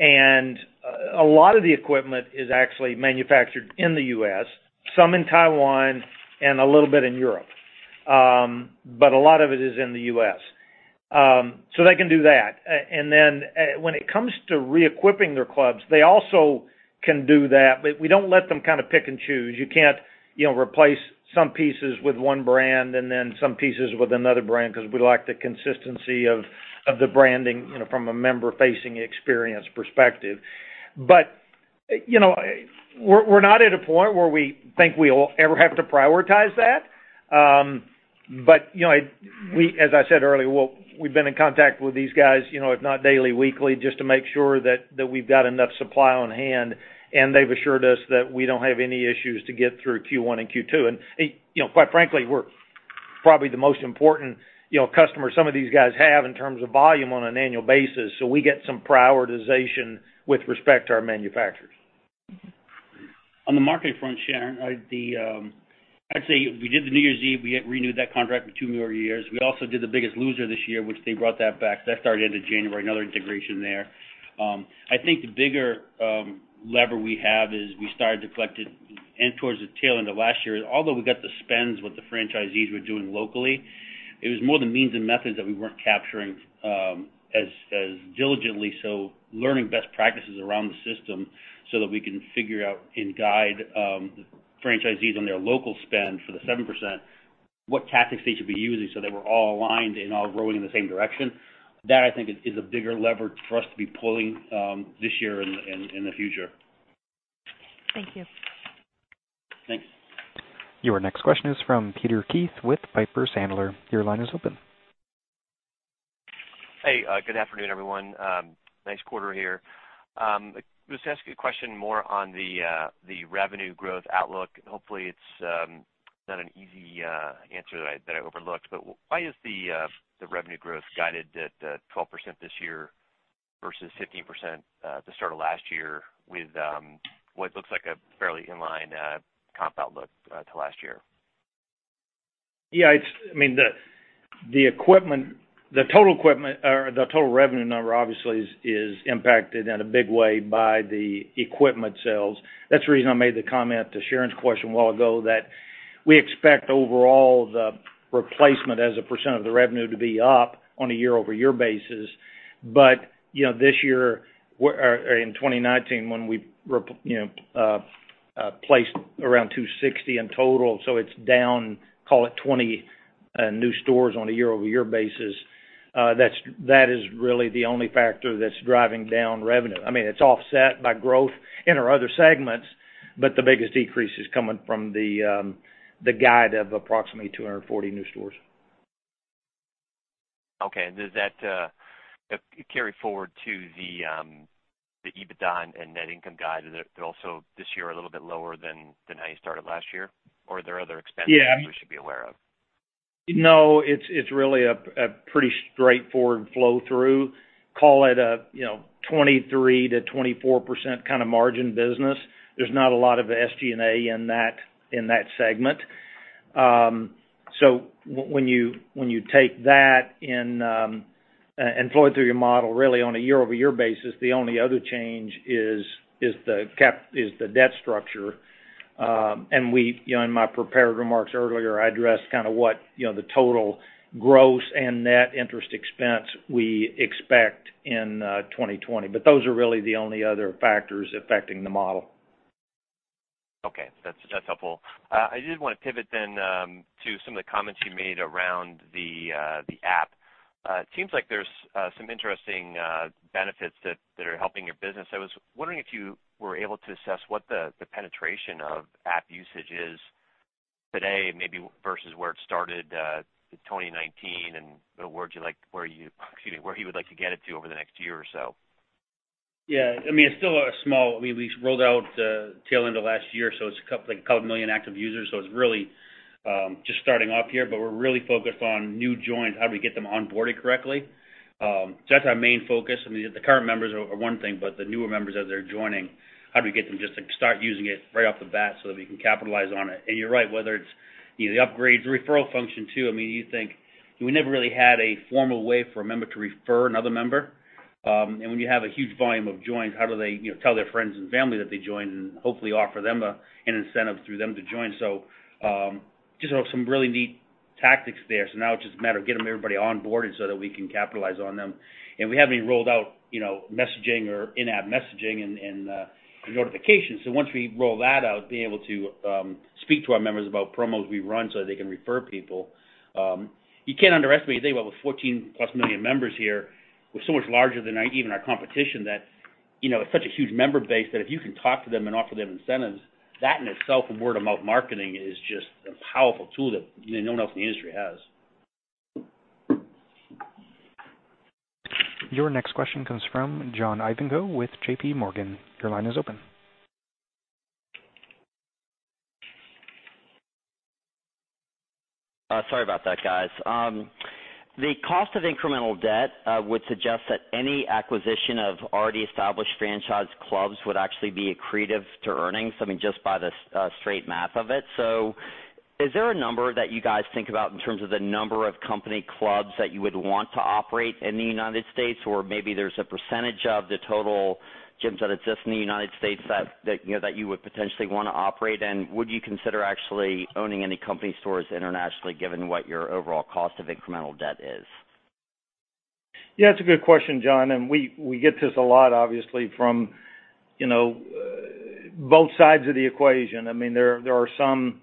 A lot of the equipment is actually manufactured in the U.S., some in Taiwan, and a little bit in Europe. A lot of it is in the U.S. They can do that. When it comes to re-equipping their clubs, they also can do that, but we don't let them pick and choose. You can't replace some pieces with one brand and then some pieces with another brand because we like the consistency of the branding from a member-facing experience perspective. We're not at a point where we think we'll ever have to prioritize that. As I said earlier, we've been in contact with these guys, if not daily, weekly, just to make sure that we've got enough supply on hand, and they've assured us that we don't have any issues to get through Q1 and Q2. Quite frankly, we're probably the most important customer some of these guys have in terms of volume on an annual basis, so we get some prioritization with respect to our manufacturers. On the marketing front, Sharon, I'd say we did the New Year's Eve. We renewed that contract for two more years. We also did "The Biggest Loser" this year, which they brought that back. That started end of January, another integration there. I think the bigger lever we have is we started to collect it in towards the tail end of last year. Although we got the spends, what the franchisees were doing locally, it was more the means and methods that we weren't capturing as diligently. Learning best practices around the system so that we can figure out and guide franchisees on their local spend for the 7%, what tactics they should be using so they were all aligned and all rowing in the same direction. That I think is a bigger lever for us to be pulling this year and in the future. Thank you. Thanks. Your next question is from Peter Keith with Piper Sandler. Your line is open. Hey, good afternoon, everyone. Nice quarter here. Was to ask you a question more on the revenue growth outlook. Hopefully, it's not an easy answer that I overlooked, but why is the revenue growth guided at 12% this year versus 15% at the start of last year with what looks like a fairly in-line comp outlook to last year? Yeah. The total revenue number obviously is impacted in a big way by the equipment sales. That's the reason I made the comment to Sharon's question a while ago that we expect overall the replacement as a percent of the revenue to be up on a year-over-year basis. This year, in 2019, when we placed around 260 in total, so it's down. New stores on a year-over-year basis, that is really the only factor that's driving down revenue. It's offset by growth in our other segments, but the biggest decrease is coming from the guidance of approximately 240 new stores. Okay. Does that carry forward to the EBITDA and net income guide? They're also, this year, a little bit lower than how you started last year? Are there other expense items? Yeah we should be aware of? No, it's really a pretty straightforward flow-through. Call it a 23%-24% kind of margin business. There's not a lot of SG&A in that segment. When you take that and flow it through your model, really, on a year-over-year basis, the only other change is the debt structure. In my prepared remarks earlier, I addressed what the total gross and net interest expense we expect in 2020. Those are really the only other factors affecting the model. Okay. That's helpful. I did want to pivot to some of the comments you made around the app. It seems like there's some interesting benefits that are helping your business. I was wondering if you were able to assess what the penetration of app usage is today, maybe versus where it started, 2019, and where you would like to get it to over the next year or so. Yeah. It's still small. We at least rolled out tail end of last year, so it's two million active users. It's really just starting up here, but we're really focused on new joins, how do we get them onboarded correctly? That's our main focus. The current members are one thing, but the newer members as they're joining, how do we get them just to start using it right off the bat so that we can capitalize on it? You're right, whether it's the upgrades, the referral function too. We never really had a formal way for a member to refer another member. When you have a huge volume of joins, how do they tell their friends and family that they joined and hopefully offer them an incentive through them to join? Just some really neat tactics there. Now it's just a matter of getting everybody onboarded so that we can capitalize on them. We haven't even rolled out messaging or in-app messaging and notifications. Once we roll that out, being able to speak to our members about promos we run so they can refer people. You can't underestimate, today, with over 14+ million members here, we're so much larger than even our competition, that it's such a huge member base that if you can talk to them and offer them incentives, that in itself and word-of-mouth marketing is just a powerful tool that no one else in the industry has. Your next question comes from John Ivankoe with JPMorgan. Your line is open. Sorry about that, guys. The cost of incremental debt would suggest that any acquisition of already established franchise clubs would actually be accretive to earnings, just by the straight math of it. Is there a number that you guys think about in terms of the number of company clubs that you would want to operate in the United States? Maybe there's a percentage of the total gyms that exist in the United States that you would potentially want to operate in. Would you consider actually owning any company stores internationally, given what your overall cost of incremental debt is? Yeah, it's a good question, John, and we get this a lot, obviously, from both sides of the equation. There are some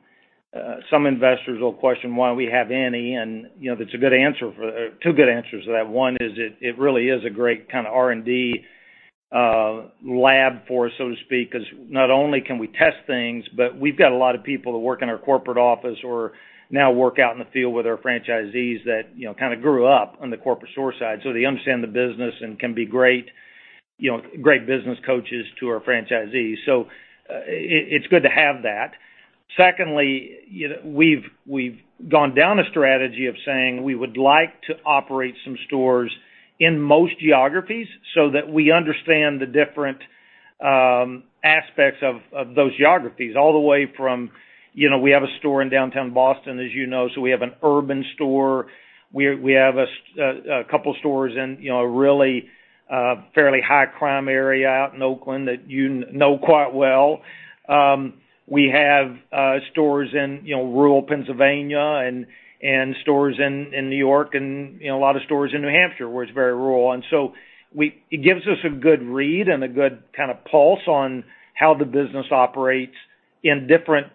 investors who will question why we have any, and there's two good answers to that. One is it really is a great kind of R&D lab for us, so to speak, because not only can we test things, but we've got a lot of people that work in our corporate office or now work out in the field with our franchisees that kind of grew up on the corporate store side. They understand the business and can be great business coaches to our franchisees. It's good to have that. Secondly, we've gone down a strategy of saying we would like to operate some stores in most geographies so that we understand the different aspects of those geographies, all the way from, we have a store in downtown Boston, as you know, so we have an urban store. We have a couple stores in a really fairly high-crime area out in Oakland that you know quite well. We have stores in rural Pennsylvania and stores in New York and a lot of stores in New Hampshire, where it's very rural. It gives us a good read and a good kind of pulse on how the business operates in different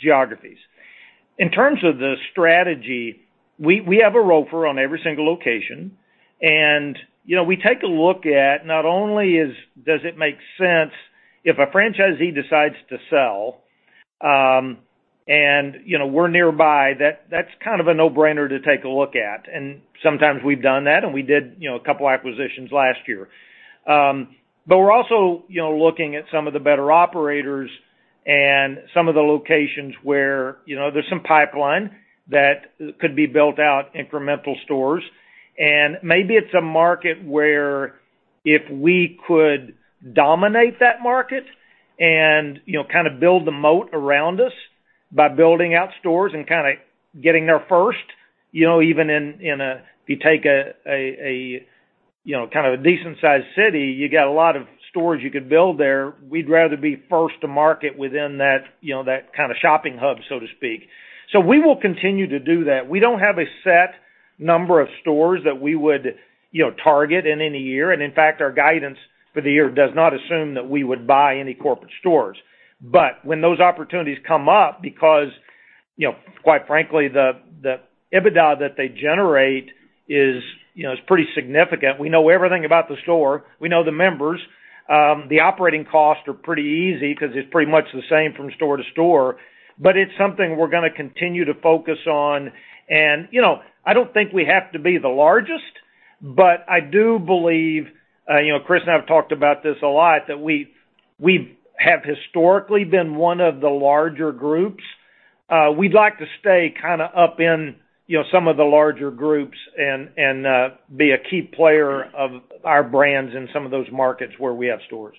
geographies. In terms of the strategy, we have a ROFR on every single location, and we take a look at not only does it make sense if a franchisee decides to sell, and we're nearby, that's kind of a no-brainer to take a look at. Sometimes we've done that, and we did a couple acquisitions last year. We're also looking at some of the better operators and some of the locations where there's some pipeline that could be built out incremental stores. Maybe it's a market where if we could dominate that market and kind of build the moat around us by building out stores and kind of getting there first, even if you take a decent-sized city, you got a lot of stores you could build there. We'd rather be first to market within that kind of shopping hub, so to speak. We will continue to do that. We don't have a set number of stores that we would target in any year. In fact, our guidance for the year does not assume that we would buy any corporate stores. When those opportunities come up, because quite frankly, the EBITDA that they generate is pretty significant. We know everything about the store. We know the members. The operating costs are pretty easy because it's pretty much the same from store to store, but it's something we're going to continue to focus on. I don't think we have to be the largest, but I do believe, Chris and I have talked about this a lot, that we have historically been one of the larger groups. We'd like to stay up in some of the larger groups and be a key player of our brands in some of those markets where we have stores.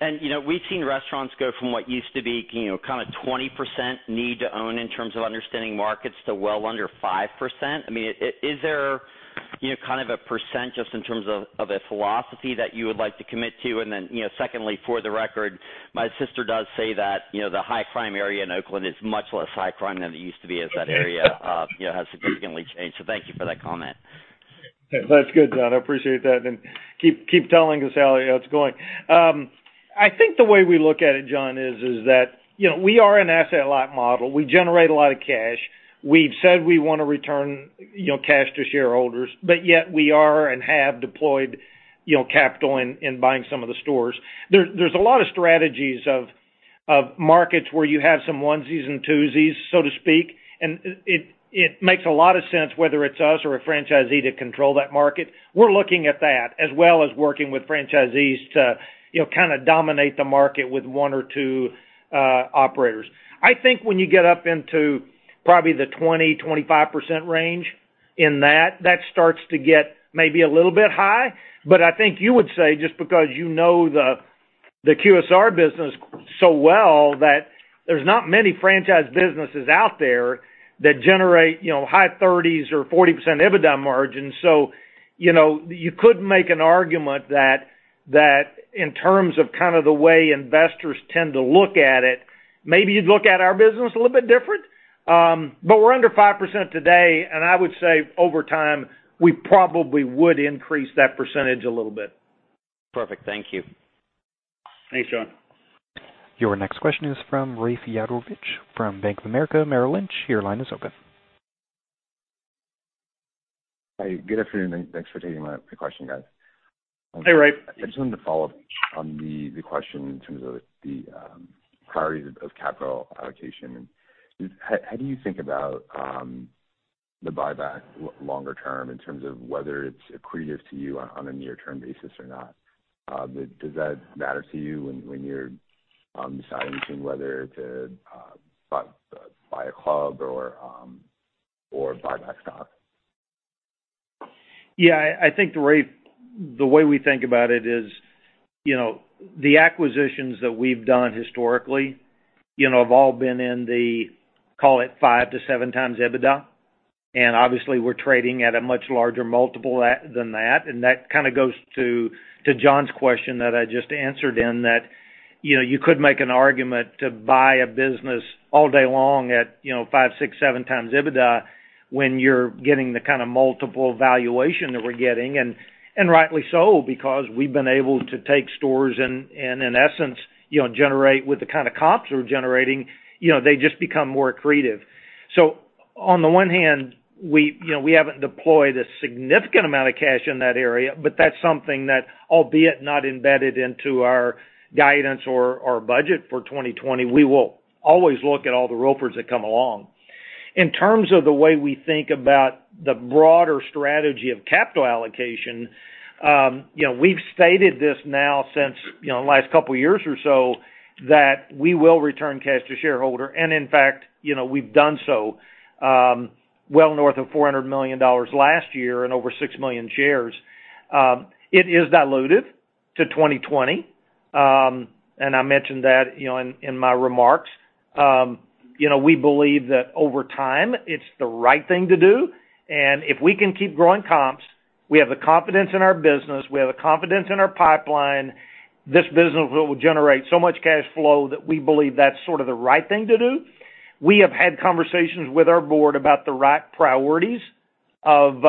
We've seen restaurants go from what used to be 20% need to own in terms of understanding markets to well under 5%. Is there a percent just in terms of a philosophy that you would like to commit to? Then, secondly, for the record, my sister does say that the high crime area in Oakland is much less high crime than it used to be as that area has significantly changed. Thank you for that comment. That's good, John. I appreciate that. Keep telling us how it's going. I think the way we look at it, John, is that we are an asset-light model. We generate a lot of cash. We've said we want to return cash to shareholders, yet we are and have deployed capital in buying some of the stores. There's a lot of strategies of markets where you have some onesies and twosies, so to speak, it makes a lot of sense, whether it's us or a franchisee, to control that market. We're looking at that as well as working with franchisees to dominate the market with one or two operators. I think when you get up into probably the 20%-25% range in that starts to get maybe a little bit high. I think you would say, just because you know the QSR business so well, that there's not many franchise businesses out there that generate high 30s or 40% EBITDA margins. You could make an argument that in terms of the way investors tend to look at it, maybe you'd look at our business a little bit different. We're under 5% today, and I would say over time, we probably would increase that percentage a little bit. Perfect. Thank you. Thanks, John. Your next question is from Rafe Jadrosich from Bank of America Merrill Lynch. Your line is open. Hi, good afternoon, and thanks for taking my question, guys. Hey, Rafe. I just wanted to follow up on the question in terms of the priorities of capital allocation, and how do you think about the buyback longer term in terms of whether it's accretive to you on a near-term basis or not? Does that matter to you when you're deciding between whether to buy a club or buy back stock? Yeah, I think, Rafe, the way we think about it is the acquisitions that we've done historically have all been in the, call it five to 7x EBITDA. Obviously, we're trading at a much larger multiple than that. That kind of goes to John's question that I just answered in that you could make an argument to buy a business all day long at five, six, 7x EBITDA when you're getting the kind of multiple valuation that we're getting. Rightly so, because we've been able to take stores and in essence, generate with the kind of comps we're generating, they just become more accretive. On the one hand, we haven't deployed a significant amount of cash in that area, but that's something that, albeit not embedded into our guidance or our budget for 2020, we will always look at all the ROFRs that come along. In terms of the way we think about the broader strategy of capital allocation, we've stated this now since the last couple of years or so that we will return cash to shareholder. In fact, we've done so well north of $400 million last year and over six million shares. It is diluted to 2020. I mentioned that in my remarks. We believe that over time it's the right thing to do. If we can keep growing comps, we have the confidence in our business, we have the confidence in our pipeline, this business will generate so much cash flow that we believe that's sort of the right thing to do. We have had conversations with our board about the right priorities of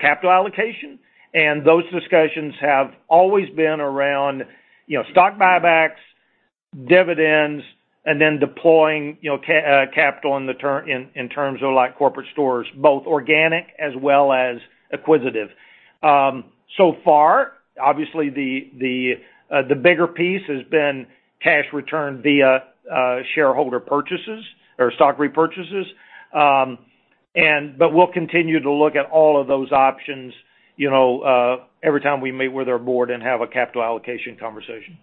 capital allocation, and those discussions have always been around stock buybacks, dividends, and then deploying capital in terms of corporate stores, both organic as well as acquisitive. So far, obviously the bigger piece has been cash returned via shareholder purchases or stock repurchases. We'll continue to look at all of those options every time we meet with our board and have a capital allocation conversation.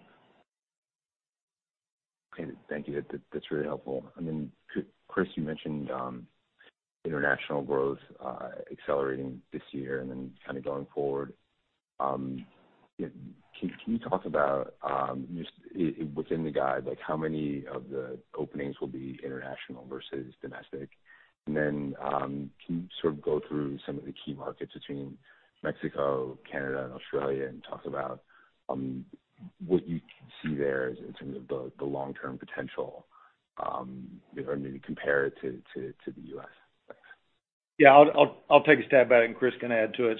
Okay. Thank you. That's really helpful. Chris, you mentioned international growth accelerating this year and then kind of going forward. Can you talk about just within the guide, how many of the openings will be international versus domestic? Can you sort of go through some of the key markets between Mexico, Canada, and Australia and talk about what you see there in terms of the long-term potential? Maybe compare it to the U.S. Thanks. Yeah, I'll take a stab at it, and Chris can add to it.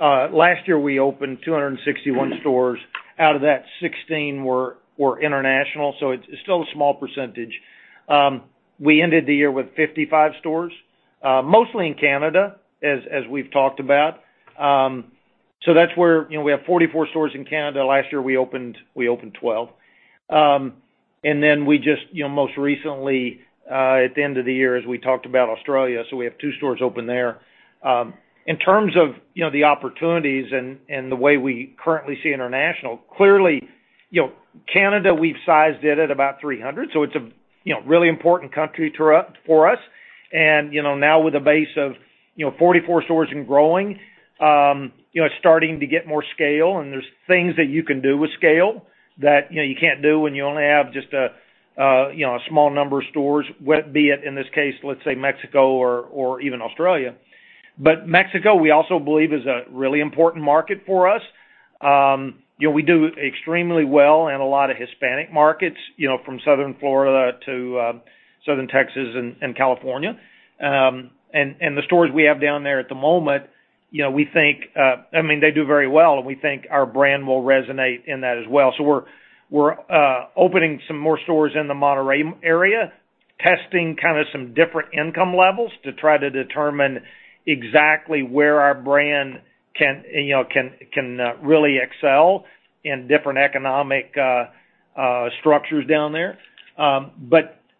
Last year, we opened 261 stores. Out of that, 16 were international, so it's still a small percentage. We ended the year with 55 stores, mostly in Canada, as we've talked about. We have 44 stores in Canada. Last year, we opened 12. We just, most recently, at the end of the year, as we talked about Australia, so we have two stores open there. In terms of the opportunities and the way we currently see international, clearly, Canada, we've sized it at about 300, so it's a really important country for us. Now with a base of 44 stores and growing, it's starting to get more scale, there's things that you can do with scale that you can't do when you only have just a small number of stores, be it, in this case, let's say Mexico or even Australia. Mexico, we also believe is a really important market for us. We do extremely well in a lot of Hispanic markets, from Southern Florida to Southern Texas and California. The stores we have down there at the moment, they do very well, and we think our brand will resonate in that as well. We're opening some more stores in the Monterrey area, testing kind of some different income levels to try to determine exactly where our brand can really excel in different economic structures down there.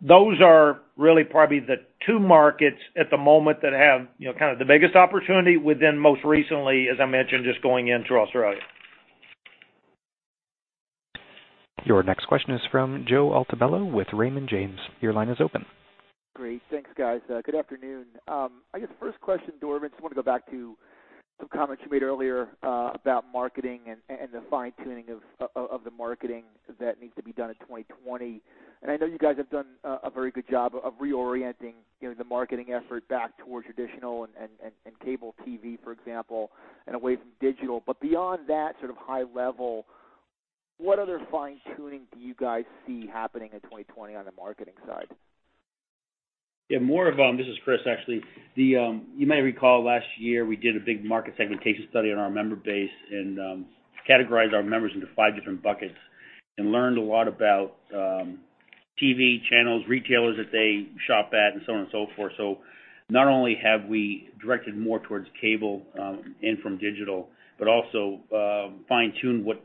Those are really probably the two markets at the moment that have kind of the biggest opportunity within most recently, as I mentioned, just going into Australia. Your next question is from Joe Altobello with Raymond James. Your line is open. Great. Thanks, guys. Good afternoon. I guess first question to Dorvin, just want to go back to some comments you made earlier about marketing and the fine-tuning of the marketing that needs to be done in 2020. I know you guys have done a very good job of reorienting the marketing effort back towards traditional and cable TV, for example, and away from digital. Beyond that sort of high level, what other fine-tuning do you guys see happening in 2020 on the marketing side? This is Chris, actually. You may recall last year, we did a big market segmentation study on our member base and categorized our members into 5 different buckets and learned a lot about TV channels, retailers that they shop at, and so on and so forth. Not only have we directed more towards cable and from digital, but also fine-tuned what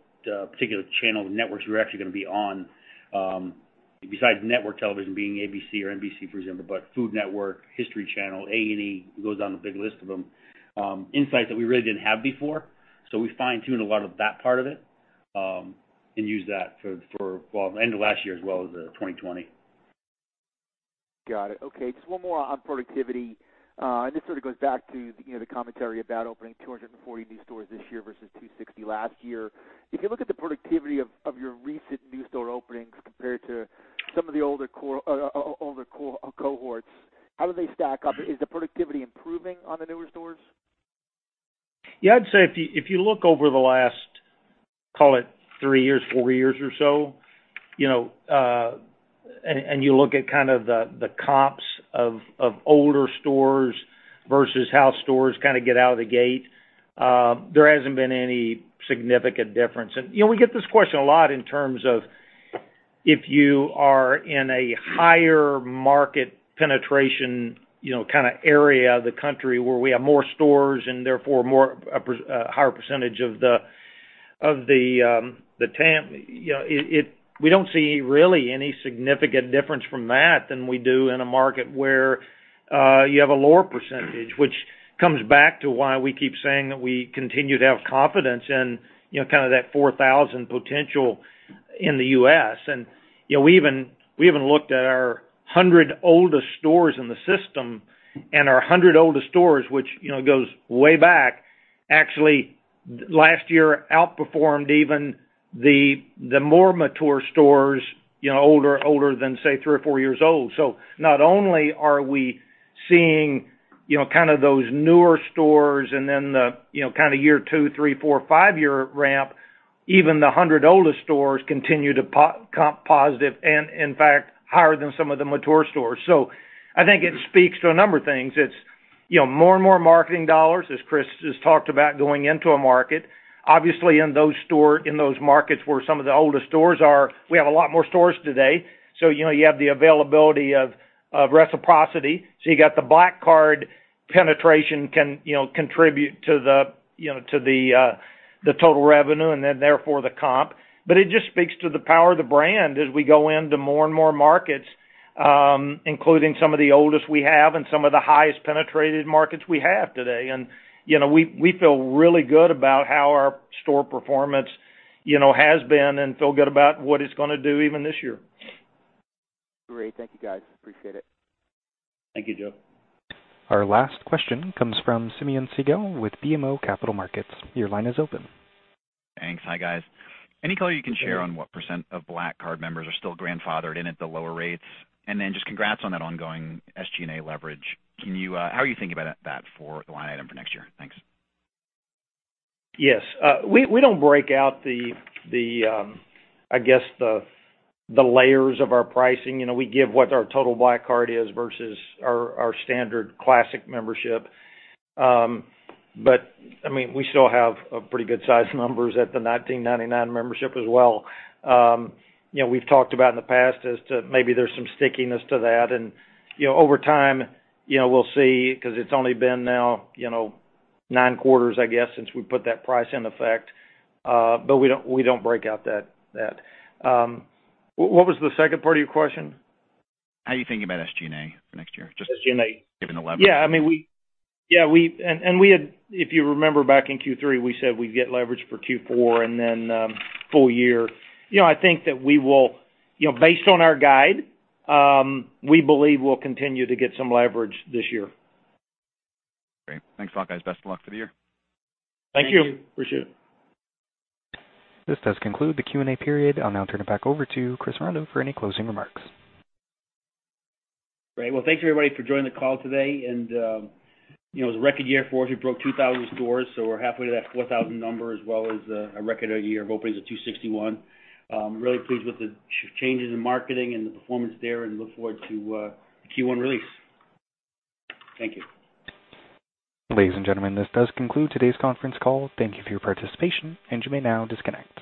particular channel networks we're actually going to be on, besides network television being ABC or NBC, for example, but Food Network, History, A&E. It goes down a big list of them. Insights that we really didn't have before. We fine-tuned a lot of that part of it, and used that for end of last year as well as 2020. Got it. Okay. Just one more on productivity. This sort of goes back to the commentary about opening 240 new stores this year versus 260 last year. If you look at the productivity of your recent new store openings compared to some of the older cohorts, how do they stack up? Is the productivity improving on the newer stores? Yeah, I'd say if you look over the last, call it three years, four years or so, and you look at kind of the comps of older stores versus how stores kind of get out of the gate, there hasn't been any significant difference. We get this question a lot in terms of if you are in a higher market penetration area of the country where we have more stores and therefore a higher percentage of the TAM. We don't see really any significant difference from that than we do in a market where you have a lower percentage, which comes back to why we keep saying that we continue to have confidence in kind of that 4,000 potential in the U.S. We even looked at our 100 oldest stores in the system, and our 100 oldest stores, which goes way back, actually last year outperformed even the more mature stores, older than, say, three or four years old. Not only are we seeing kind of those newer stores and then the kind of year two, three, four, five-year ramp, even the 100 oldest stores continue to comp positive and, in fact, higher than some of the mature stores. I think it speaks to a number of things. It's more and more marketing dollars, as Chris just talked about, going into a market. Obviously, in those markets where some of the oldest stores are, we have a lot more stores today, so you have the availability of reciprocity. You got the Black Card penetration can contribute to the total revenue, and then therefore the comp. It just speaks to the power of the brand as we go into more and more markets, including some of the oldest we have and some of the highest penetrated markets we have today. We feel really good about how our store performance has been and feel good about what it's going to do even this year. Great. Thank you, guys. Appreciate it. Thank you, Joe. Our last question comes from Simeon Siegel with BMO Capital Markets. Your line is open. Thanks. Hi, guys. Any color you can share on what percent of Black Card members are still grandfathered in at the lower rates? Just congrats on that ongoing SG&A leverage. How are you thinking about that for the line item for next year? Thanks. Yes. We don't break out, I guess, the layers of our pricing. We give what our total Black Card is versus our standard Classic Card membership. We still have pretty good size numbers at the $19.99 membership as well. We've talked about in the past as to maybe there's some stickiness to that. Over time, we'll see, because it's only been now nine quarters, I guess, since we put that price in effect. We don't break out that. What was the second part of your question? How are you thinking about SG&A for next year? SG&A. Given the leverage. Yeah. If you remember back in Q3, we said we'd get leverage for Q4 and then full year. Based on our guide, we believe we'll continue to get some leverage this year. Great. Thanks a lot, guys. Best of luck for the year. Thank you. Thank you. Appreciate it. This does conclude the Q&A period. I'll now turn it back over to Chris Rondeau for any closing remarks. Great. Well, thanks everybody for joining the call today. It was a record year for us. We broke 2,000 stores, so we're halfway to that 4,000 number, as well as a record year of openings at 261. Really pleased with the changes in marketing and the performance there, and look forward to the Q1 release. Thank you. Ladies and gentlemen, this does conclude today's conference call. Thank you for your participation, and you may now disconnect.